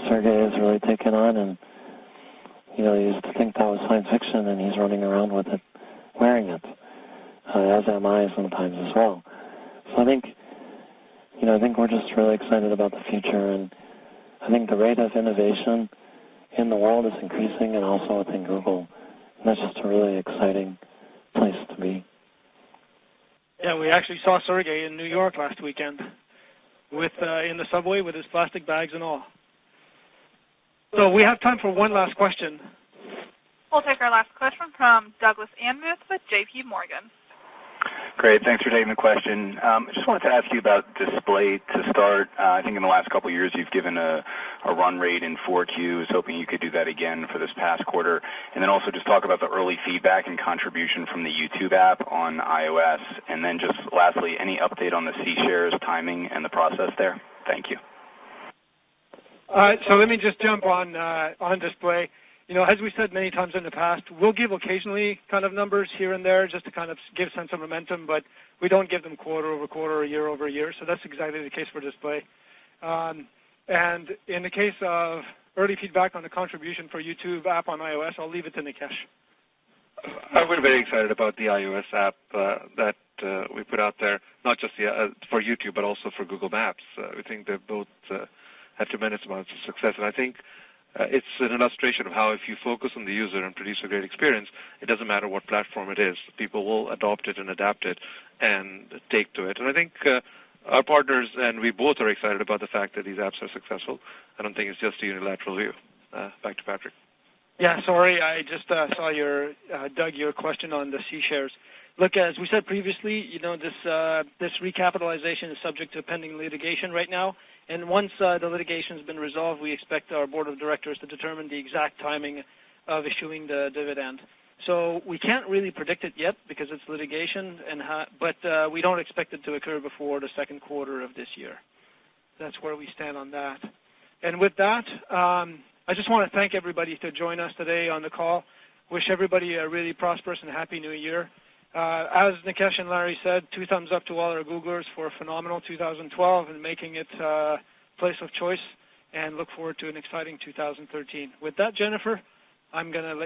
Sergey has really taken on, and you used to think that was science fiction, and he's running around with it, wearing it as am I sometimes as well, so I think we're just really excited about the future, and I think the rate of innovation in the world is increasing and also within Google, and that's just a really exciting place to be. Yeah, we actually saw Sergey in New York last weekend in the subway with his plastic bags and all. So we have time for one last question. We'll take our last question from Douglas Anmuth with J.P. Morgan. Great. Thanks for taking the question. I just wanted to ask you about display to start. I think in the last couple of years, you've given a run rate in 4Q. I was hoping you could do that again for this past quarter. And then also just talk about the early feedback and contribution from the YouTube app on iOS. And then just lastly, any update on the C shares timing and the process there? Thank you. All right, so let me just jump on display. As we said many times in the past, we'll give occasionally kind of numbers here and there just to kind of give sense of momentum. But we don't give them quarter over quarter or year over year, so that's exactly the case for display, and in the case of early feedback on the contribution for YouTube app on iOS, I'll leave it to Nikesh. I've been very excited about the iOS app that we put out there, not just for YouTube, but also for Google Maps. We think they've both had tremendous amounts of success. And I think it's an illustration of how if you focus on the user and produce a great experience, it doesn't matter what platform it is. People will adopt it and adapt it and take to it. And I think our partners and we both are excited about the fact that these apps are successful. I don't think it's just a unilateral view. Back to Patrick. Yeah, sorry. I just saw your, Doug, your question on the C shares. Look, as we said previously, this recapitalization is subject to pending litigation right now. And once the litigation has been resolved, we expect our board of directors to determine the exact timing of issuing the dividend. So we can't really predict it yet because it's litigation. But we don't expect it to occur before the second quarter of this year. That's where we stand on that. And with that, I just want to thank everybody for joining us today on the call. Wish everybody a really prosperous and happy New Year. As Nikesh and Larry said, two thumbs up to all our Googlers for a phenomenal 2012 and making it a place of choice. And look forward to an exciting 2013. With that, Jennifer, I'm going to.